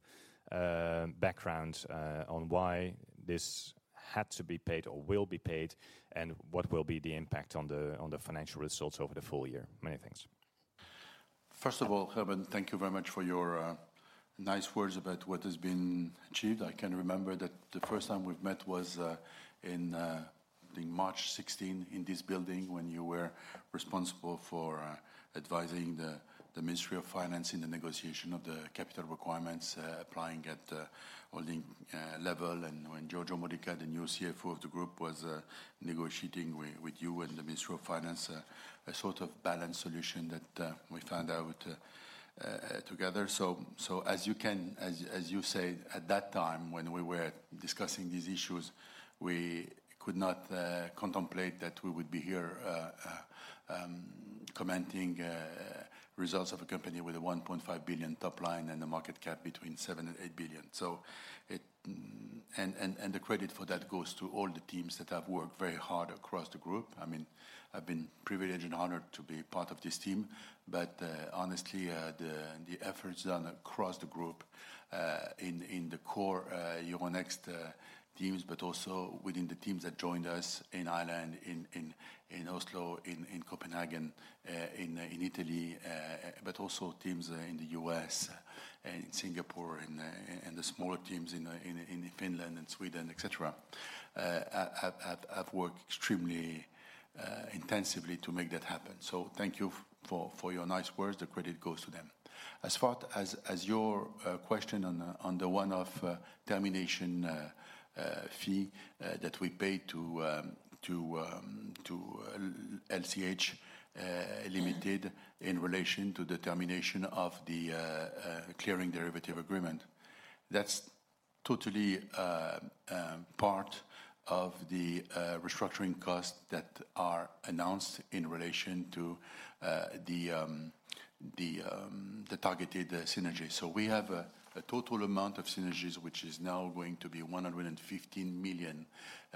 [SPEAKER 4] background on why this had to be paid or will be paid, and what will be the impact on the financial results over the full year? Many thanks.
[SPEAKER 2] First of all, Gerben, thank you very much for your nice words about what has been achieved. I can remember that the first time we've met was in I think March 16 in this building when you were responsible for advising the Ministry of Finance in the negotiation of the capital requirements applying at the holding level and when Giorgio Modica, the new CFO of the group, was negotiating with you and the Ministry of Finance, a sort of balanced solution that we found out together. As you can As you said at that time when we were discussing these issues, we could not contemplate that we would be here commenting results of a company with a 1.5 billion top line and a market cap between 7 billion and 8 billion. The credit for that goes to all the teams that have worked very hard across the group. I have been privileged and honored to be part of this team, but honestly, the efforts done across the group in the core Euronext teams, but also within the teams that joined us in Ireland, in Oslo, in Copenhagen, in Italy, but also teams in the US, in Singapore, and the smaller teams in Finland and Sweden, et cetera, have worked extremely intensively to make that happen. T hank you for your nice words. The credit goes to them. As far as your question on the one-off termination fee that we paid to LCH Limited in relation to the termination of the clearing derivative agreement. That's totally part of the restructuring costs that are announced in relation to the targeted synergy. We have a total amount of synergies, which is now going to be 115 million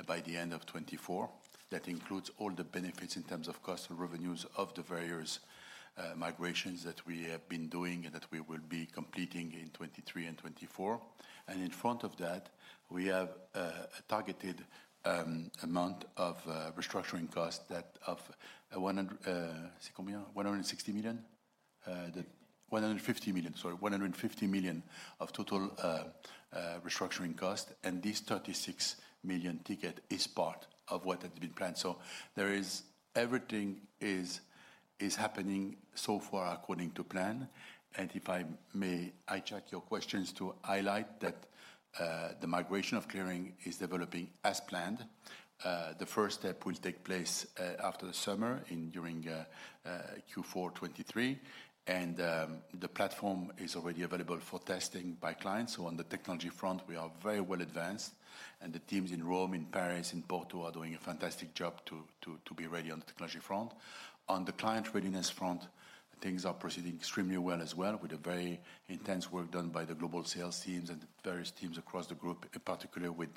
[SPEAKER 2] by the end of 2024. That includes all the benefits in terms of cost and revenues of the various migrations that we have been doing and that we will be completing in 2023 and 2024. In front of that, we have a targeted amount of restructuring costs that of 160 million. The 150 million. Sorry, 150 million of total restructuring costs. This 36 million ticket is part of what had been planned. There is Everything is happening so far according to plan. If I may, I check your questions to highlight that the migration of clearing is developing as planned. The first step will take place after the summer in during Q4 2023. The platform is already available for testing by clients. On the technology front, we are very well advanced, and the teams in Rome, in Paris, in Porto are doing a fantastic job to be ready on the technology front. On the client readiness front, things are proceeding extremely well as well, with the very intense work done by the global sales teams and various teams across the group, in particular with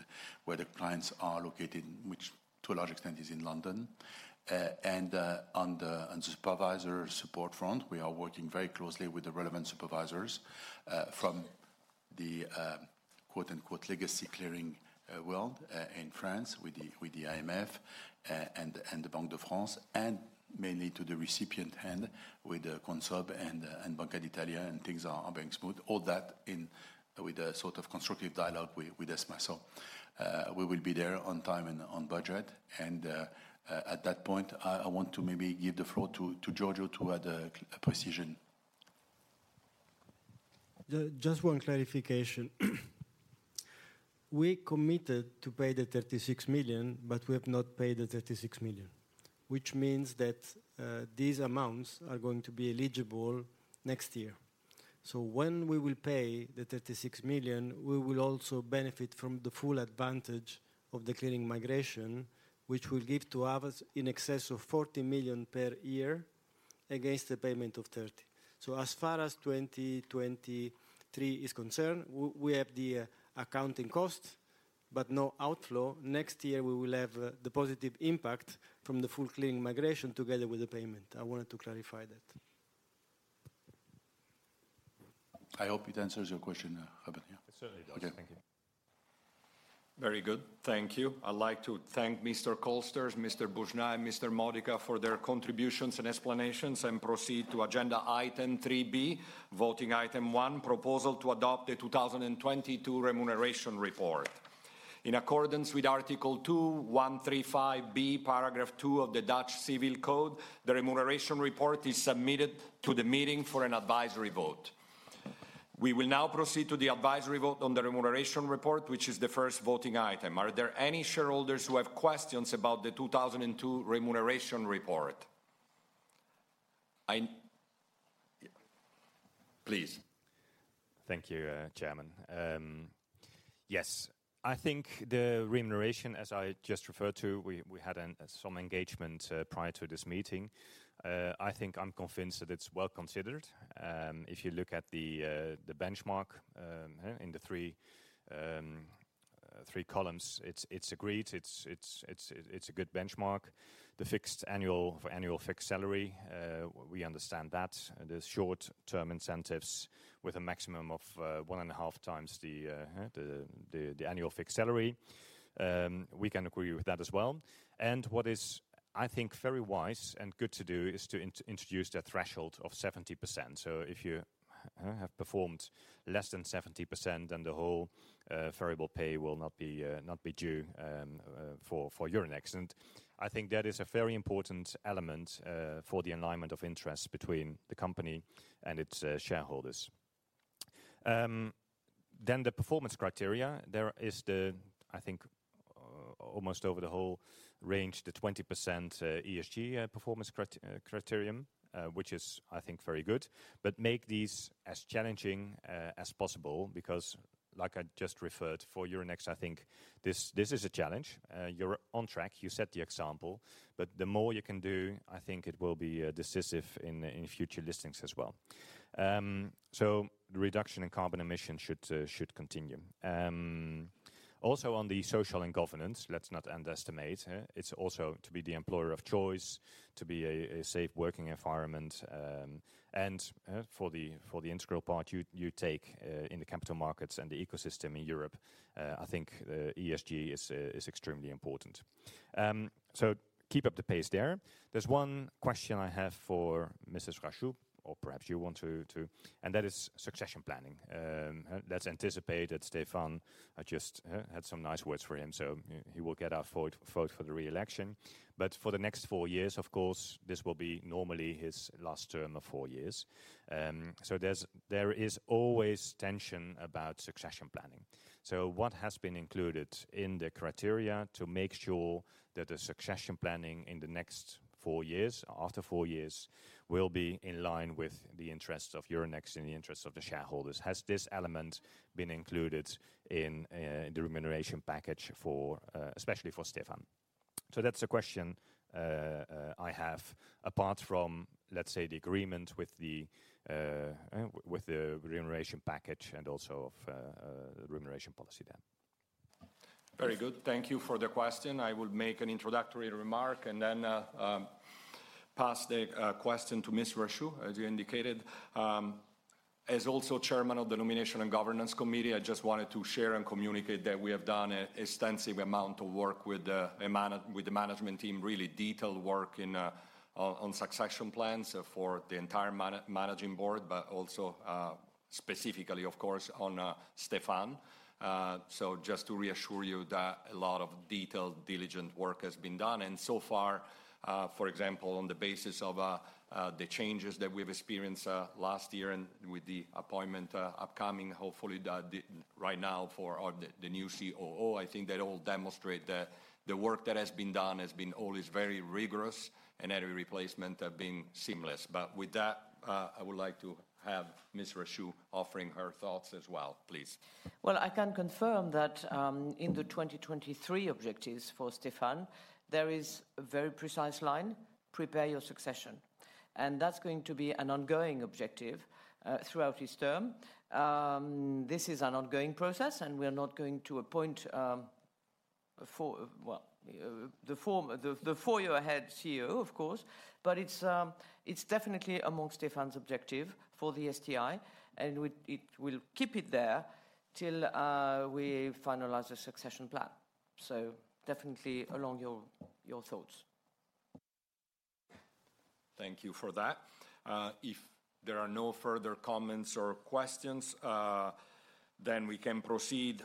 [SPEAKER 2] where the clients are located, which to a large extent is in London. On the supervisor support front, we are working very closely with the relevant supervisors from the quote-unquote, "legacy clearing world," in France with the IMF and the Banque de France, and mainly to the recipient hand with the Consob and Banca d'Italia, and things are being smooth. All that in with a sort of constructive dialogue with ESMA. We will be there on time and on budget. At that point, I want to maybe give the floor to Giorgio to add a precision.
[SPEAKER 5] Just one clarification. We committed to pay the 36 million, but we have not paid the 36 million, which means that these amounts are going to be eligible next year. When we will pay the 36 million, we will also benefit from the full advantage of the clearing migration, which will give to us in excess of 40 million per year against the payment of 30. As far as 2023 is concerned, we have the accounting cost but no outflow. Next year, we will have the positive impact from the full clearing migration together with the payment. I wanted to clarify that.
[SPEAKER 2] I hope it answers your question, Abin. Yeah.
[SPEAKER 4] It certainly does. Thank you.
[SPEAKER 2] Very good. Thank you. I'd like to thank Mr. Kolsters, Mr. Boujnah, and Mr. Modica for their contributions and explanations, and proceed to agenda item 3B, voting item 1, proposal to adopt the 2022 remuneration report. In accordance with Article 2:135b, Paragraph 2 of the Dutch Civil Code, the remuneration report is submitted to the meeting for an advisory vote. We will now proceed to the advisory vote on the remuneration report, which is the first voting item. Are there any shareholders who have questions about the 2002 remuneration report? Please.
[SPEAKER 4] Thank you, Chairman. Yes. I think the remuneration, as I just referred to, we had some engagement prior to this meeting. I think I'm convinced that it's well considered. If you look at the benchmark in the three columns, it's agreed. It's a good benchmark. The annual fixed salary, we understand that. The short-term incentives with a maximum of 1.5 times the annual fixed salary, we can agree with that as well. What is, I think, very wise and good to do is to introduce the threshold of 70%. If you have performed less than 70%, then the whole variable pay will not be due for Euronext. I think that is a very important element for the alignment of interests between the company and its shareholders. Then the performance criteria. There is the, I think, almost over the whole range, the 20% ESG criterium, which is, I think, very good. Make these as challenging as possible because like I just referred for Euronext, I think this is a challenge. You're on track. You set the example, but the more you can do, I think it will be decisive in future listings as well. The reduction in carbon emissions should continue. On the social and governance, let's not underestimate, huh? It's also to be the employer of choice, to be a safe working environment, and for the integral part you take in the capital markets and the ecosystem in Europe, I think ESG is extremely important. Keep up the pace there. There's 1 question I have for Madame Rachou, or perhaps you want that is succession planning. Let's anticipate that Stéphane, I just had some nice words for him, he will get our vote for the re-election. For the next 4 years, of course, this will be normally his last term of 4 years. There is always tension about succession planning. What has been included in the criteria to make sure that the succession planning in the next 4 years, after 4 years, will be in line with the interests of Euronext and the interests of the shareholders? Has this element been included in the remuneration package for especially for Stéphane? That's a question I have apart from, let's say, the agreement with the remuneration package and also of the remuneration policy then.
[SPEAKER 1] Very good. Thank you for the question. I will make an introductory remark and then pass the question to Ms. Rachou, as you indicated. As also chairman of the Nomination and Governance Committee, I just wanted to share and communicate that we have done an extensive amount of work with the management team, really detailed work in on succession plans for the entire managing board, but also specifically, of course, on Stéphane. Just to reassure you that a lot of detailed, diligent work has been done. So far, for example, on the basis of the changes that we've experienced last year and with the appointment upcoming, hopefully, the right now for the new COO, I think that all demonstrate that the work that has been done has been always very rigorous and every replacement have been seamless. With that, I would like to have Ms. Rachou offering her thoughts as well, please.
[SPEAKER 6] Well, I can confirm that, in the 2023 objectives for Stéphane, there is a very precise line, "Prepare your succession." That's going to be an ongoing objective throughout his term. This is an ongoing process, and we are not going to appoint a 4-year ahead CEO, of course. It's definitely among Stéphane's objective for the STI, and it will keep it there till we finalize the succession plan. Definitely along your thoughts.
[SPEAKER 1] Thank you for that. If there are no further comments or questions, then we can proceed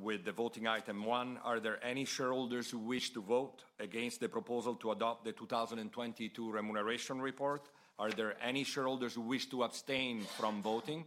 [SPEAKER 1] with the voting item 1. Are there any shareholders who wish to vote against the proposal to adopt the 2022 remuneration report? Are there any shareholders who wish to abstain from voting?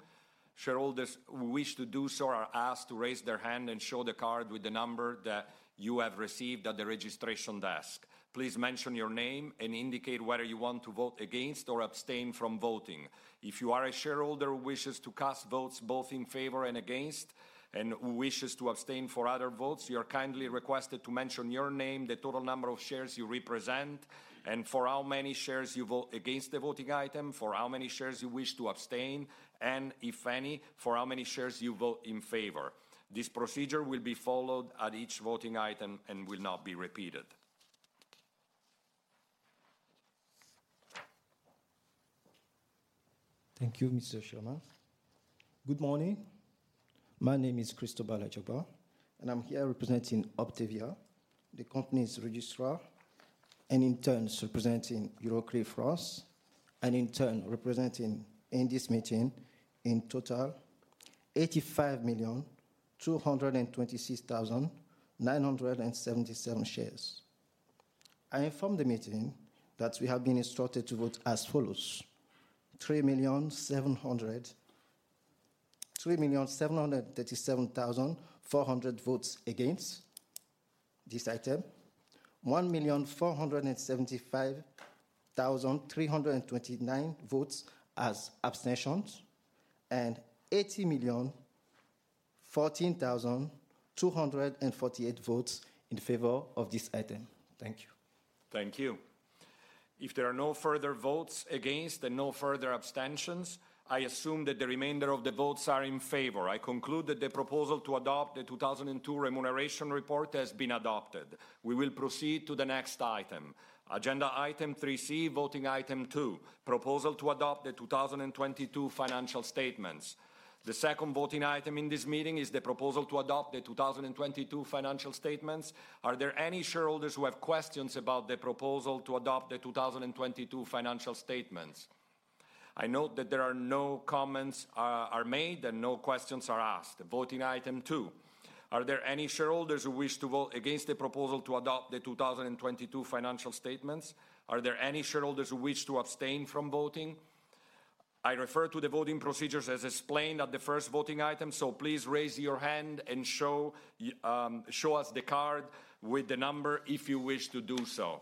[SPEAKER 1] Shareholders who wish to do so are asked to raise their hand and show the card with the number that you have received at the registration desk. Please mention your name and indicate whether you want to vote against or abstain from voting. If you are a shareholder who wishes to cast votes both in favor and against, and who wishes to abstain for other votes, you are kindly requested to mention your name, the total number of shares you represent, and for how many shares you vote against the voting item, for how many shares you wish to abstain, and if any, for how many shares you vote in favor. This procedure will be followed at each voting item and will not be repeated.
[SPEAKER 7] Thank you, Mr. Chairman. Good morning. My name is Christopher Lajoba, and I'm here representing Uptevia, the company's registrar, and in turn representing Euroclear France, and in turn representing in this meeting, in total, 85,226,977 shares. I inform the meeting that we have been instructed to vote as follows: 3,737,400 votes against this item, 1,475,329 votes as abstentions, and 80,014,248 votes in favor of this item. Thank you.
[SPEAKER 1] Thank you. If there are no further votes against and no further abstentions, I assume that the remainder of the votes are in favor. I conclude that the proposal to adopt the 2002 remuneration report has been adopted. We will proceed to the next item. Agenda item 3C, voting item 2: proposal to adopt the 2022 financial statements. The second voting item in this meeting is the proposal to adopt the 2022 financial statements. Are there any shareholders who have questions about the proposal to adopt the 2022 financial statements? I note that there are no comments are made and no questions are asked. Voting item 2: Are there any shareholders who wish to vote against the proposal to adopt the 2022 financial statements? Are there any shareholders who wish to abstain from voting? I refer to the voting procedures as explained at the first voting item, so please raise your hand and show us the card with the number if you wish to do so.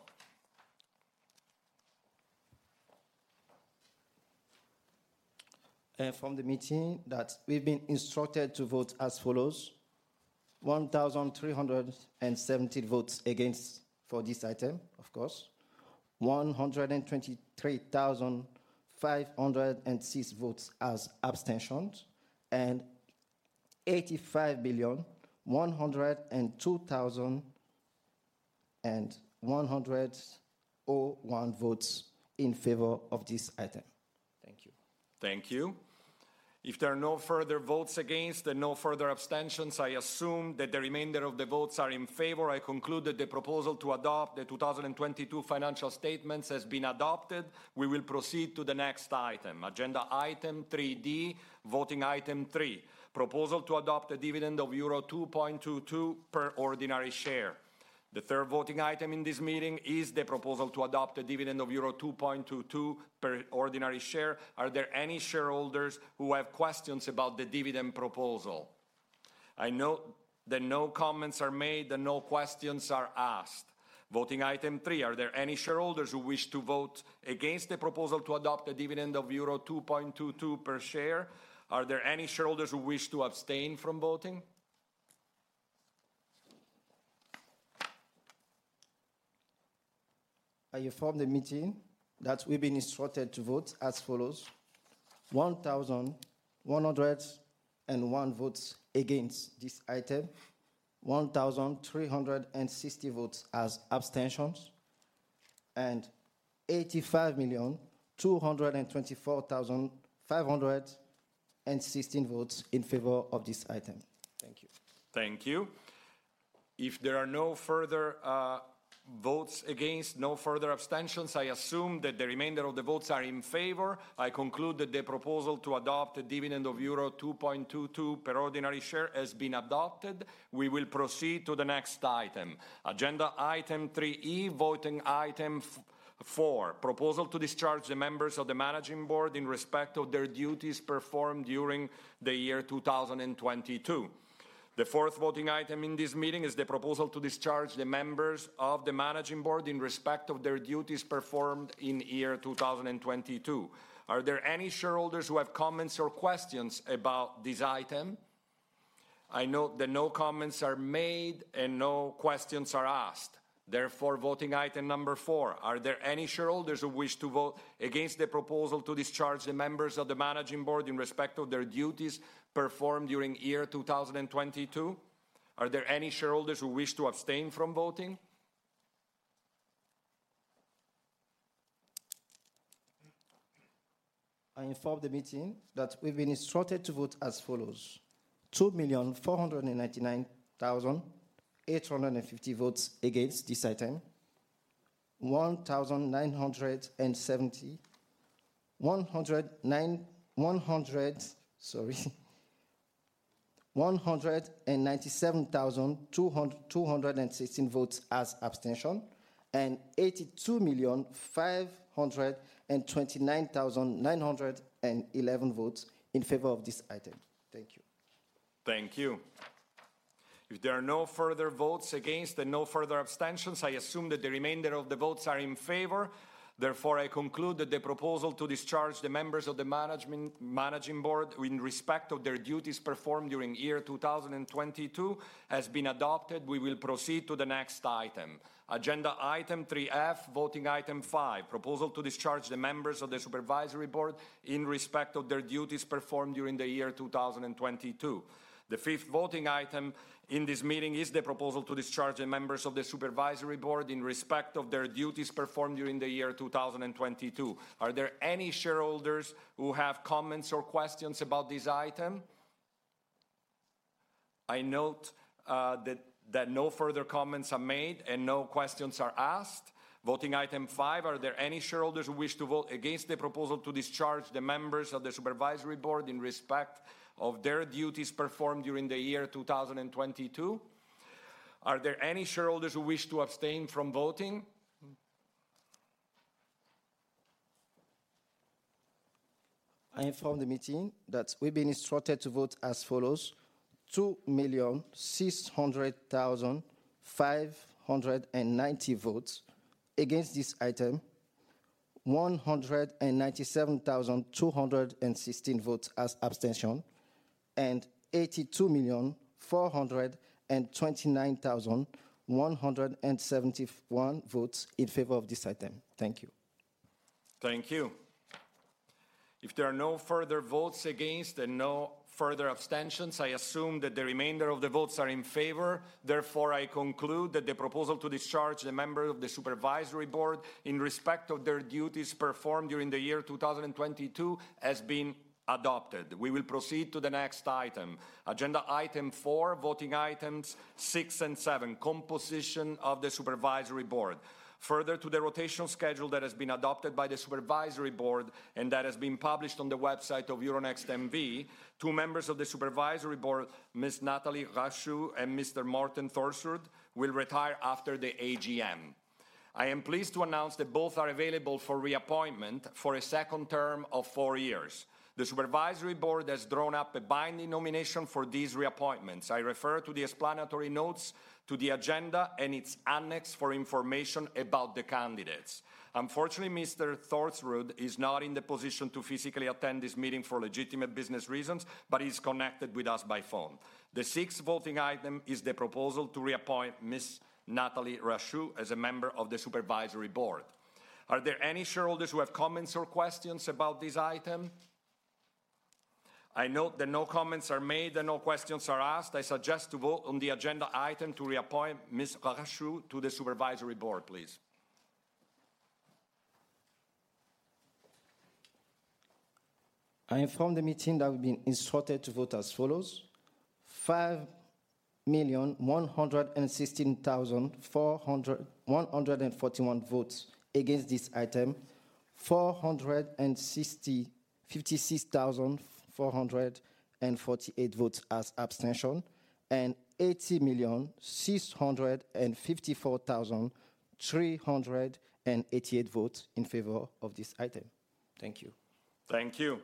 [SPEAKER 7] From the meeting that we've been instructed to vote as follows: 1,370 votes against for this item, of course. 123,506 votes as abstentions, 85,102,101 votes in favor of this item. Thank you.
[SPEAKER 1] Thank you. If there are no further votes against and no further abstentions, I assume that the remainder of the votes are in favor. I conclude that the proposal to adopt the 2022 financial statements has been adopted. We will proceed to the next item, agenda item 3D, voting item 3, proposal to adopt a dividend of euro 2.22 per ordinary share. The third voting item in this meeting is the proposal to adopt a dividend of euro 2.22 per ordinary share. Are there any shareholders who have questions about the dividend proposal? I note that no comments are made and no questions are asked. Voting item 3, are there any shareholders who wish to vote against the proposal to adopt a dividend of euro 2.22 per share? Are there any shareholders who wish to abstain from voting?
[SPEAKER 7] I inform the meeting that we've been instructed to vote as follows. 1,101 votes against this item, 1,360 votes as abstentions, and 85,224,516 votes in favor of this item. Thank you.
[SPEAKER 1] Thank you. If there are no further votes against, no further abstentions, I assume that the remainder of the votes are in favor. I conclude that the proposal to adopt a dividend of euro 2.22 per ordinary share has been adopted. We will proceed to the next item, agenda item 3 E, voting item 4, proposal to discharge the members of the Managing Board in respect of their duties performed during the year 2022. The fourth voting item in this meeting is the proposal to discharge the members of the Managing Board in respect of their duties performed in year 2022. Are there any shareholders who have comments or questions about this item? I note that no comments are made, and no questions are asked. Therefore, voting item number 4, are there any shareholders who wish to vote against the proposal to discharge the members of the managing board in respect of their duties performed during year 2022? Are there any shareholders who wish to abstain from voting?
[SPEAKER 7] I inform the meeting that we've been instructed to vote as follows. 2,499,850 votes against this item, sorry 197,216 votes as abstention, 82,529,911 votes in favor of this item. Thank you.
[SPEAKER 1] Thank you. If there are no further votes against and no further abstentions, I assume that the remainder of the votes are in favor. Therefore, I conclude that the proposal to discharge the members of the managing board in respect of their duties performed during year 2022 has been adopted. We will proceed to the next item, agenda item 3F, voting item 5, proposal to discharge the members of the supervisory board in respect of their duties performed during the year 2022. The 5th voting item in this meeting is the proposal to discharge the members of the supervisory board in respect of their duties performed during the year 2022. Are there any shareholders who have comments or questions about this item? I note that no further comments are made and no questions are asked. Voting item five, are there any shareholders who wish to vote against the proposal to discharge the members of the supervisory board in respect of their duties performed during the year 2022? Are there any shareholders who wish to abstain from voting?
[SPEAKER 7] I inform the meeting that we've been instructed to vote as follows. 2,600,590 votes against this item, 197,216 votes as abstention, and 82,429,171 votes in favor of this item. Thank you.
[SPEAKER 1] Thank you. If there are no further votes against and no further abstentions, I assume that the remainder of the votes are in favor. I conclude that the proposal to discharge the member of the supervisory board in respect of their duties performed during the year 2022 has been adopted. We will proceed to the next item, agenda item four, voting items six and seven, composition of the supervisory board. Further to the rotational schedule that has been adopted by the supervisory board and that has been published on the website of Euronext N.V., 2 members of the supervisory board, Ms. Nathalie Rachou and Mr. Morten Thorsrud, will retire after the AGM. I am pleased to announce that both are available for reappointment for a second term of 4 years. The supervisory board has drawn up a binding nomination for these reappointments. I refer to the explanatory notes to the agenda and its annex for information about the candidates. Unfortunately, Mr. Morten Thorsrud is not in the position to physically attend this meeting for legitimate business reasons, but he's connected with us by phone. The sixth voting item is the proposal to reappoint Ms. Nathalie Rachou as a member of the supervisory board. Are there any shareholders who have comments or questions about this item? I note that no comments are made and no questions are asked. I suggest to vote on the agenda item to reappoint Ms. Rachou to the supervisory board, please.
[SPEAKER 7] I inform the meeting that we've been instructed to vote as follows: 5,116,441 votes against this item, 456,448 votes as abstention, and 80,654,388 votes in favor of this item. Thank you.
[SPEAKER 1] Thank you.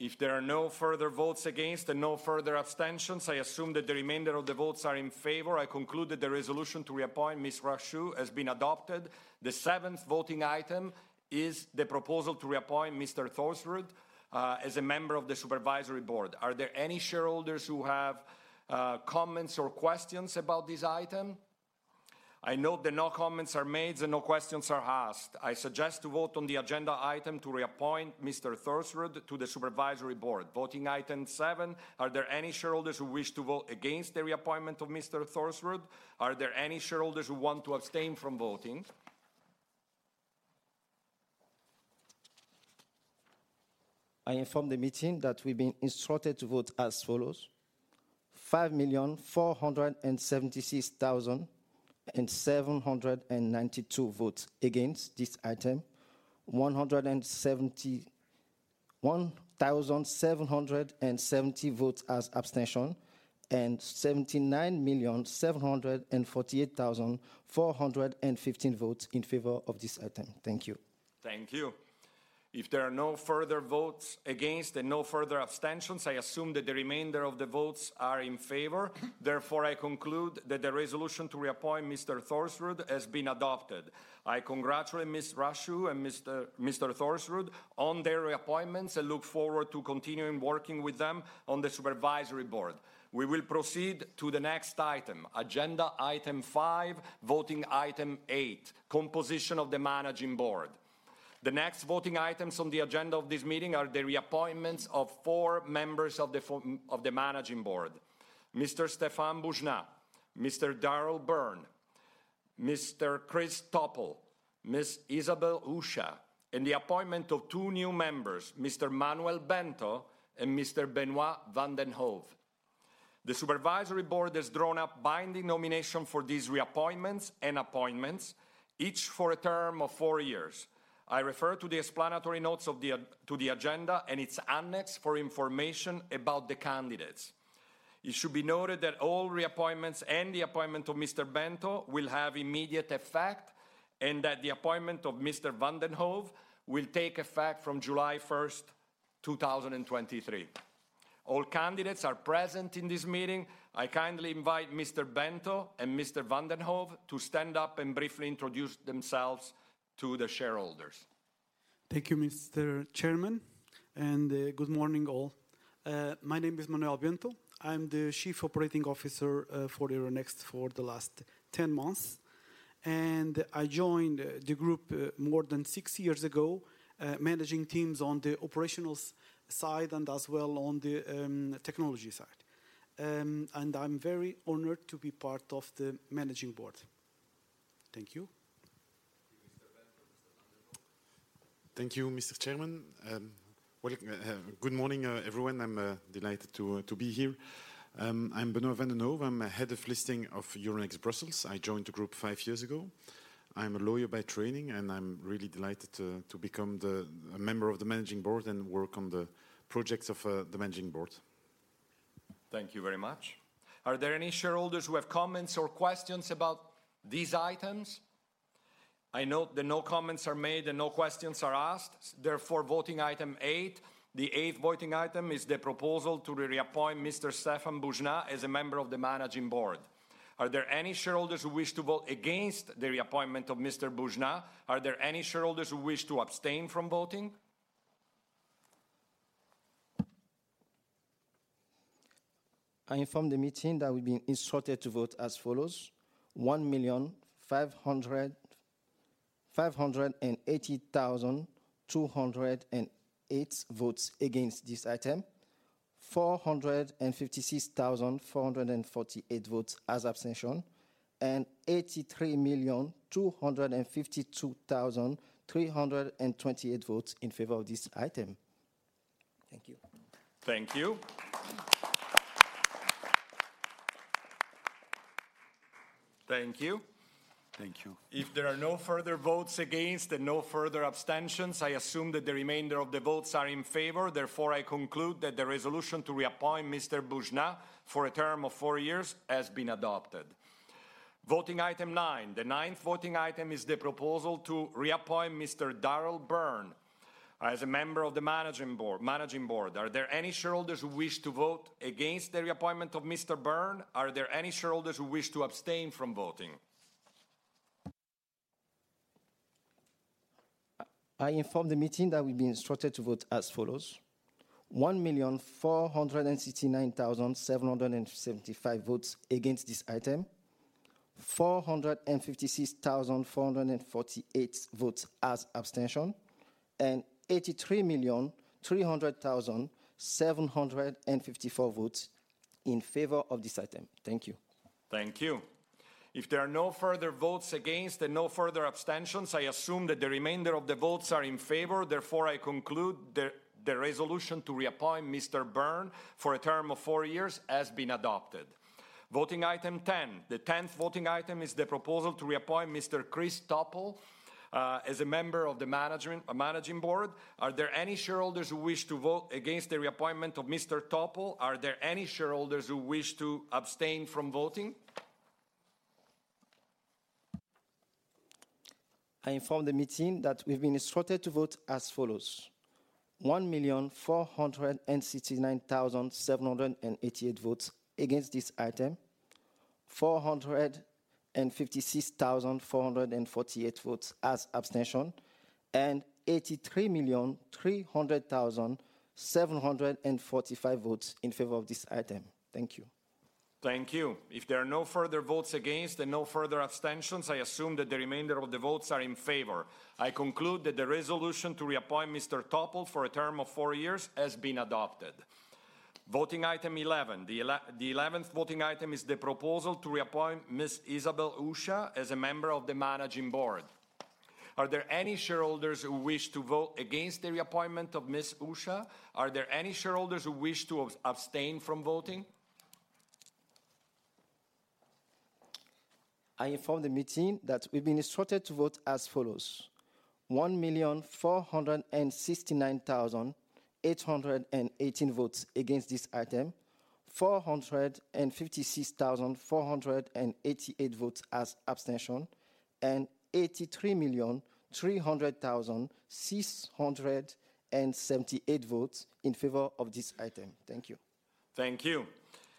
[SPEAKER 1] If there are no further votes against and no further abstentions, I assume that the remainder of the votes are in favor. I conclude that the resolution to reappoint Ms. Rachou has been adopted. The seventh voting item is the proposal to reappoint Mr. Thorsrud, as a member of the supervisory board. Are there any shareholders who have comments or questions about this item? I note that no comments are made and no questions are asked. I suggest to vote on the agenda item to reappoint Mr. Thorsrud to the supervisory board. Voting item seven, are there any shareholders who wish to vote against the reappointment of Mr. Thorsrud? Are there any shareholders who want to abstain from voting?
[SPEAKER 7] I inform the meeting that we've been instructed to vote as follows: 5,476,792 votes against this item, 171,770 votes as abstention, and 79,748,415 votes in favor of this item. Thank you.
[SPEAKER 1] Thank you. If there are no further votes against and no further abstentions, I assume that the remainder of the votes are in favor. I conclude that the resolution to reappoint Mr. Morten Thorsrud has been adopted. I congratulate Ms. Nathalie Rachou and Mr. Morten Thorsrud on their appointments and look forward to continuing working with them on the supervisory board. We will proceed to the next item, agenda item five, voting item eight, composition of the managing board. The next voting items on the agenda of this meeting are the reappointments of four members of the managing board: Mr. Stéphane Boujnah, Mr. Daryl Byrne, Mr. Chris Topple, Ms. Isabel Ucha, and the appointment of two new members: Mr. Manuel Bento and Mr. Benoît van den Hove. The supervisory board has drawn up binding nomination for these reappointments and appointments, each for a term of four years. I refer to the explanatory notes to the agenda and its annex for information about the candidates. It should be noted that all reappointments and the appointment of Mr. Bento will have immediate effect and that the appointment of Mr. van den Hove will take effect from July 1st, 2023. All candidates are present in this meeting. I kindly invite Mr. Bento and Mr. van den Hove to stand up and briefly introduce themselves to the shareholders.
[SPEAKER 8] Thank you, Mr. Chairman, and, good morning all. My name is Manuel Bento. I'm the Chief Operating Officer for Euronext for the last 10 months, and I joined the group more than 6 years ago, managing teams on the operational side and as well on the technology side. I'm very honored to be part of the Managing Board. Thank you.
[SPEAKER 1] Thank you, Mr. Bento. Mr. van den Hove.
[SPEAKER 9] Thank you, Mr. Chairman. Good morning, everyone. I'm delighted to be here. I'm Benoît van den Hove. I'm head of listing of Euronext Brussels. I joined the group five years ago. I'm a lawyer by training, and I'm really delighted to become the Member of the Managing Board and work on the projects of the Managing Board.
[SPEAKER 1] Thank you very much. Are there any shareholders who have comments or questions about these items? I note that no comments are made and no questions are asked. Voting item eight, the eighth voting item is the proposal to reappoint Mr. Stéphane Boujnah as a member of the managing board. Are there any shareholders who wish to vote against the reappointment of Mr. Boujnah? Are there any shareholders who wish to abstain from voting?
[SPEAKER 7] I inform the meeting that we've been instructed to vote as follows: 1,580,208 votes against this item, 456,448 votes as abstention, and 83,252,328 votes in favor of this item. Thank you.
[SPEAKER 1] Thank you. Thank you.
[SPEAKER 9] Thank you.
[SPEAKER 1] If there are no further votes against and no further abstentions, I assume that the remainder of the votes are in favor. Therefore, I conclude that the resolution to reappoint Mr. Boujnah for a term of four years has been adopted. Voting item nine. The ninth voting item is the proposal to reappoint Mr. Daryl Byrne as a member of the managing board. Are there any shareholders who wish to vote against the reappointment of Mr. Byrne? Are there any shareholders who wish to abstain from voting?
[SPEAKER 7] I inform the meeting that we've been instructed to vote as follows: 1,469,775 votes against this item, 456,448 votes as abstention, and 83,300,754 votes in favor of this item. Thank you.
[SPEAKER 1] Thank you. If there are no further votes against and no further abstentions, I assume that the remainder of the votes are in favor. Therefore, I conclude the resolution to reappoint Mr. Byrne for a term of four years has been adopted. Voting item 10. The 10th voting item is the proposal to reappoint Mr. Chris Topple as a member of the Managing Board. Are there any shareholders who wish to vote against the reappointment of Mr. Topol? Are there any shareholders who wish to abstain from voting?
[SPEAKER 7] I inform the meeting that we've been instructed to vote as follows: 1,469,788 votes against this item, 456,448 votes as abstention, 83,300,745 votes in favor of this item. Thank you.
[SPEAKER 1] Thank you. If there are no further votes against and no further abstentions, I assume that the remainder of the votes are in favor. I conclude that the resolution to reappoint Mr. Topple for a term of four years has been adopted. Voting item 11. The eleventh voting item is the proposal to reappoint Ms. Isabel Ucha as a member of the managing board. Are there any shareholders who wish to vote against the reappointment of Ms. Ucha? Are there any shareholders who wish to abstain from voting?
[SPEAKER 7] I inform the meeting that we've been instructed to vote as follows: 1,469,818 votes against this item, 456,488 votes as abstention, and 83,300,678 votes in favor of this item. Thank you.
[SPEAKER 1] Thank you.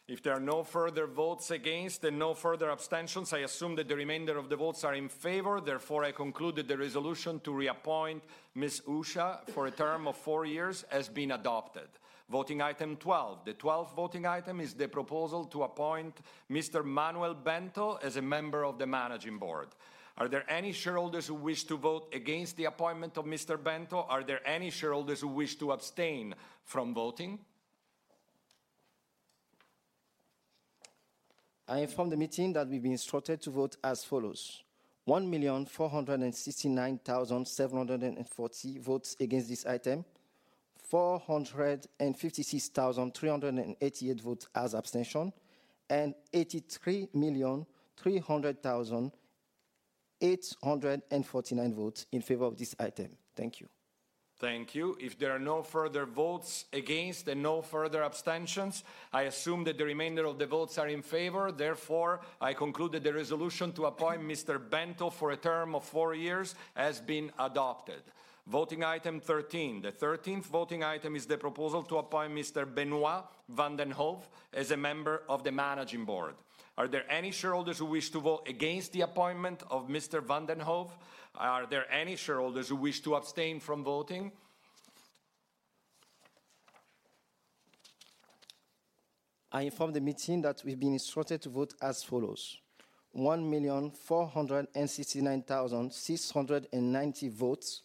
[SPEAKER 1] If there are no further votes against and no further abstentions, I assume that the remainder of the votes are in favor. Therefore, I conclude that the resolution to reappoint Ms. Ucha for a term of 4 years has been adopted. Voting item 12. The 12th voting item is the proposal to appoint Mr. Manuel Bento as a member of the managing board. Are there any shareholders who wish to vote against the appointment of Mr. Bento? Are there any shareholders who wish to abstain from voting?
[SPEAKER 7] I inform the meeting that we've been instructed to vote as follows: 1,469,740 votes against this item, 456,388 votes as abstention, and 83,300,849 votes in favor of this item. Thank you.
[SPEAKER 1] Thank you. If there are no further votes against and no further abstentions, I assume that the remainder of the votes are in favor. Therefore, I conclude that the resolution to appoint Mr. Bento for a term of four years has been adopted. Voting item 13. The 13th voting item is the proposal to appoint Mr. Benoît van den Hove as a member of the managing board. Are there any shareholders who wish to vote against the appointment of Mr. van den Hove? Are there any shareholders who wish to abstain from voting?
[SPEAKER 7] I inform the meeting that we've been instructed to vote as follows: 1,469,690 votes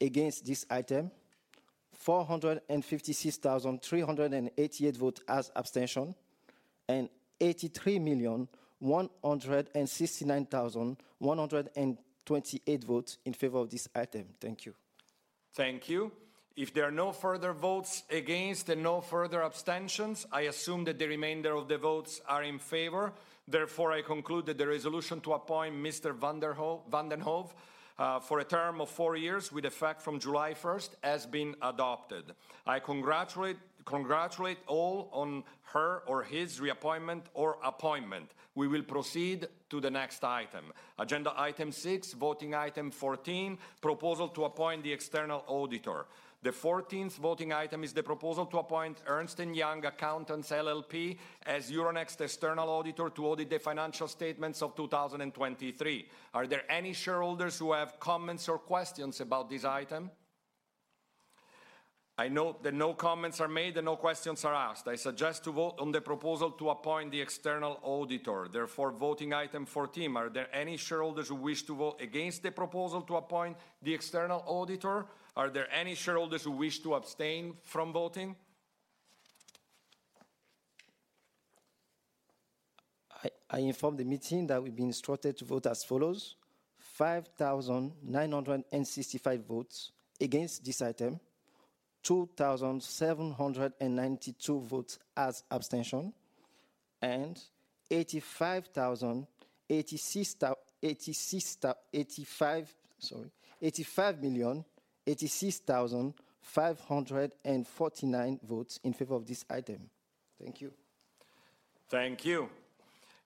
[SPEAKER 7] against this item, 456,388 vote as abstention, and 83,169,128 votes in favor of this item. Thank you.
[SPEAKER 1] Thank you. There are no further votes against and no further abstentions, I assume that the remainder of the votes are in favor. I conclude that the resolution to appoint Mr. Benoît van den Hove for a term of four years with effect from July first has been adopted. I congratulate all on her or his reappointment or appointment. We will proceed to the next item. Agenda item six, voting item 14, proposal to appoint the external auditor. The 14th voting item is the proposal to appoint Ernst & Young Accountants as Euronext's external auditor to audit the financial statements of 2023. Are there any shareholders who have comments or questions about this item? I note that no comments are made and no questions are asked. I suggest to vote on the proposal to appoint the external auditor. Voting item 14, are there any shareholders who wish to vote against the proposal to appoint the external auditor? Are there any shareholders who wish to abstain from voting?
[SPEAKER 7] I inform the meeting that we've been instructed to vote as follows: 5,965 votes against this item, 2,792 votes as abstention, and 85,086,549 votes in favor of this item. Thank you.
[SPEAKER 1] Thank you.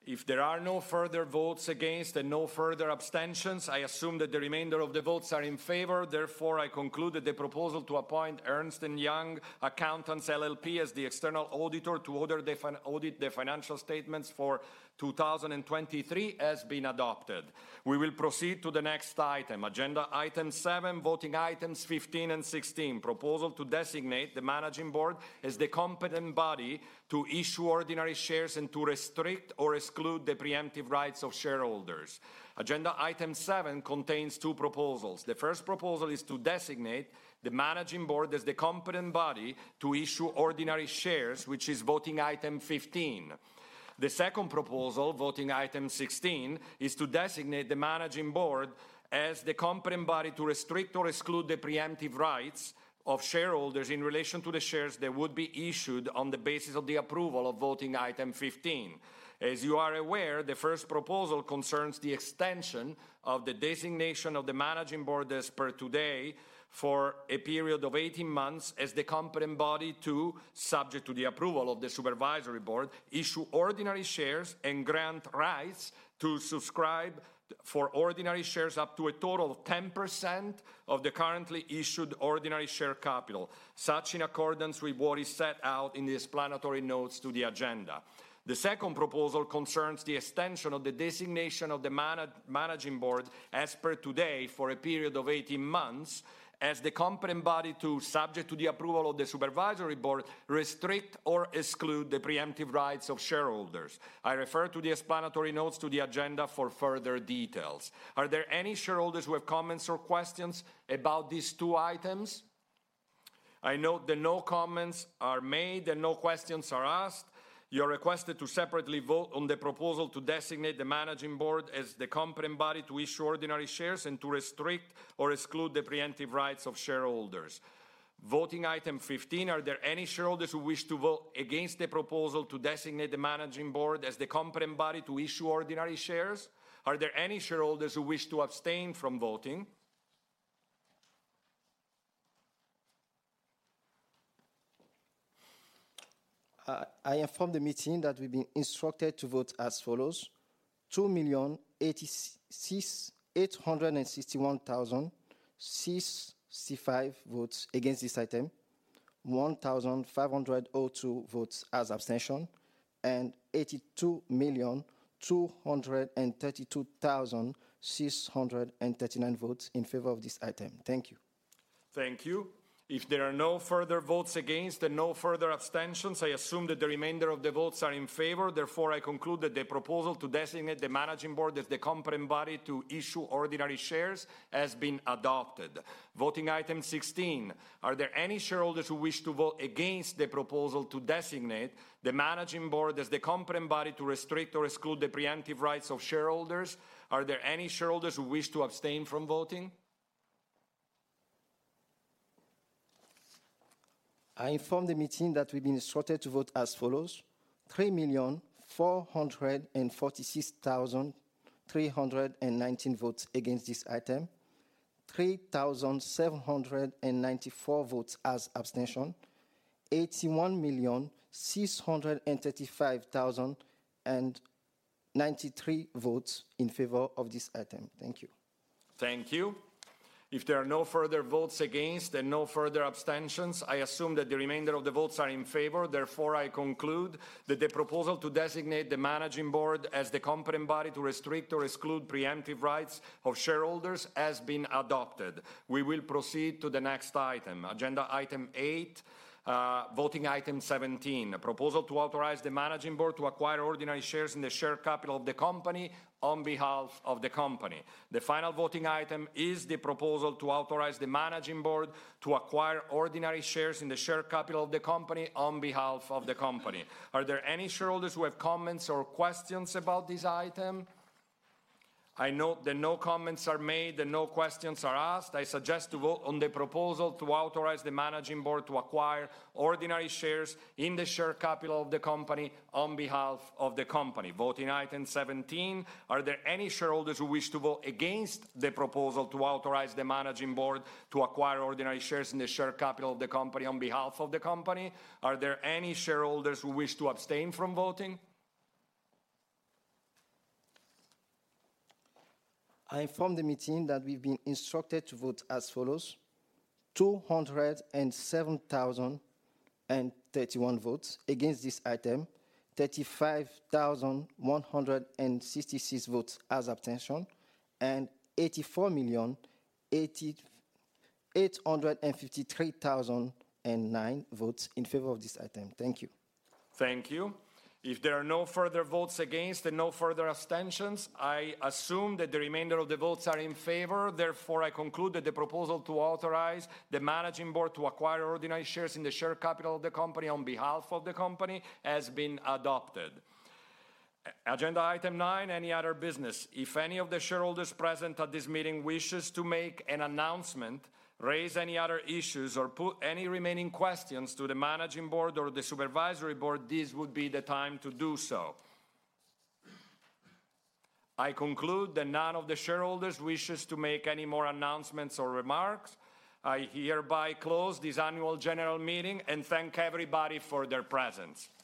[SPEAKER 1] If there are no further votes against and no further abstentions, I assume that the remainder of the votes are in favor. Therefore, I conclude that the proposal to appoint Ernst & Young Accountants LLP as the external auditor to audit the financial statements for 2023 has been adopted. We will proceed to the next item, agenda item seven, voting items 15 and 16, proposal to designate the managing board as the competent body to issue ordinary shares and to restrict or exclude the preemptive rights of shareholders. Agenda item 7 contains two proposals. The first proposal is to designate the managing board as the competent body to issue ordinary shares, which is voting item 15. The second proposal, voting item 16, is to designate the managing board as the competent body to restrict or exclude the preemptive rights of shareholders in relation to the shares that would be issued on the basis of the approval of voting item 15. As you are aware, the first proposal concerns the extension of the designation of the managing board as per today for a period of 18 months as the competent body to, subject to the approval of the supervisory board, issue ordinary shares and grant rights to subscribe for ordinary shares up to a total of 10% of the currently issued ordinary share capital, such in accordance with what is set out in the explanatory notes to the agenda. The second proposal concerns the extension of the designation of the managing board as per today for a period of 18 months as the competent body to, subject to the approval of the supervisory board, restrict or exclude the preemptive rights of shareholders. I refer to the explanatory notes to the agenda for further details. Are there any shareholders who have comments or questions about these two items? I note that no comments are made and no questions are asked. You're requested to separately vote on the proposal to designate the managing board as the competent body to issue ordinary shares and to restrict or exclude the preemptive rights of shareholders. Voting item 15, are there any shareholders who wish to vote against the proposal to designate the managing board as the competent body to issue ordinary shares? Are there any shareholders who wish to abstain from voting?
[SPEAKER 7] I inform the meeting that we've been instructed to vote as follows: 2,086,861,605 votes against this item, 1,502 votes as abstention, and 82,232,639 votes in favor of this item. Thank you.
[SPEAKER 1] Thank you. If there are no further votes against and no further abstentions, I assume that the remainder of the votes are in favor. Therefore, I conclude that the proposal to designate the managing board as the competent body to issue ordinary shares has been adopted. Voting item 16, are there any shareholders who wish to vote against the proposal to designate the managing board as the competent body to restrict or exclude the preemptive rights of shareholders? Are there any shareholders who wish to abstain from voting?
[SPEAKER 7] I inform the meeting that we've been instructed to vote as follows: 3,446,319 votes against this item, 3,794 votes as abstention, 81,635,093 votes in favor of this item. Thank you.
[SPEAKER 1] Thank you. If there are no further votes against and no further abstentions, I assume that the remainder of the votes are in favor. Therefore, I conclude that the proposal to designate the managing board as the competent body to restrict or exclude preemptive rights of shareholders has been adopted. We will proceed to the next item, agenda item 8, voting item 17, a proposal to authorize the managing board to acquire ordinary shares in the share capital of the company on behalf of the company. The final voting item is the proposal to authorize the managing board to acquire ordinary shares in the share capital of the company on behalf of the company. Are there any shareholders who have comments or questions about this item? I note that no comments are made and no questions are asked. I suggest to vote on the proposal to authorize the managing board to acquire ordinary shares in the share capital of the company on behalf of the company. Voting item 17, are there any shareholders who wish to vote against the proposal to authorize the managing board to acquire ordinary shares in the share capital of the company on behalf of the company? Are there any shareholders who wish to abstain from voting?
[SPEAKER 7] I inform the meeting that we've been instructed to vote as follows: 207,031 votes against this item, 35,166 votes as abstention, 84,853,009 votes in favor of this item. Thank you.
[SPEAKER 1] Thank you. If there are no further votes against and no further abstentions, I assume that the remainder of the votes are in favor. Therefore, I conclude that the proposal to authorize the Managing Board to acquire ordinary shares in the share capital of the company on behalf of the company has been adopted. Agenda item nine, any other business. If any of the shareholders present at this meeting wishes to make an announcement, raise any other issues, or put any remaining questions to the Managing Board or the Supervisory Board, this would be the time to do so. I conclude that none of the shareholders wishes to make any more announcements or remarks. I hereby close this annual general meeting and thank everybody for their presence.
[SPEAKER 7] New CEO. New old CEO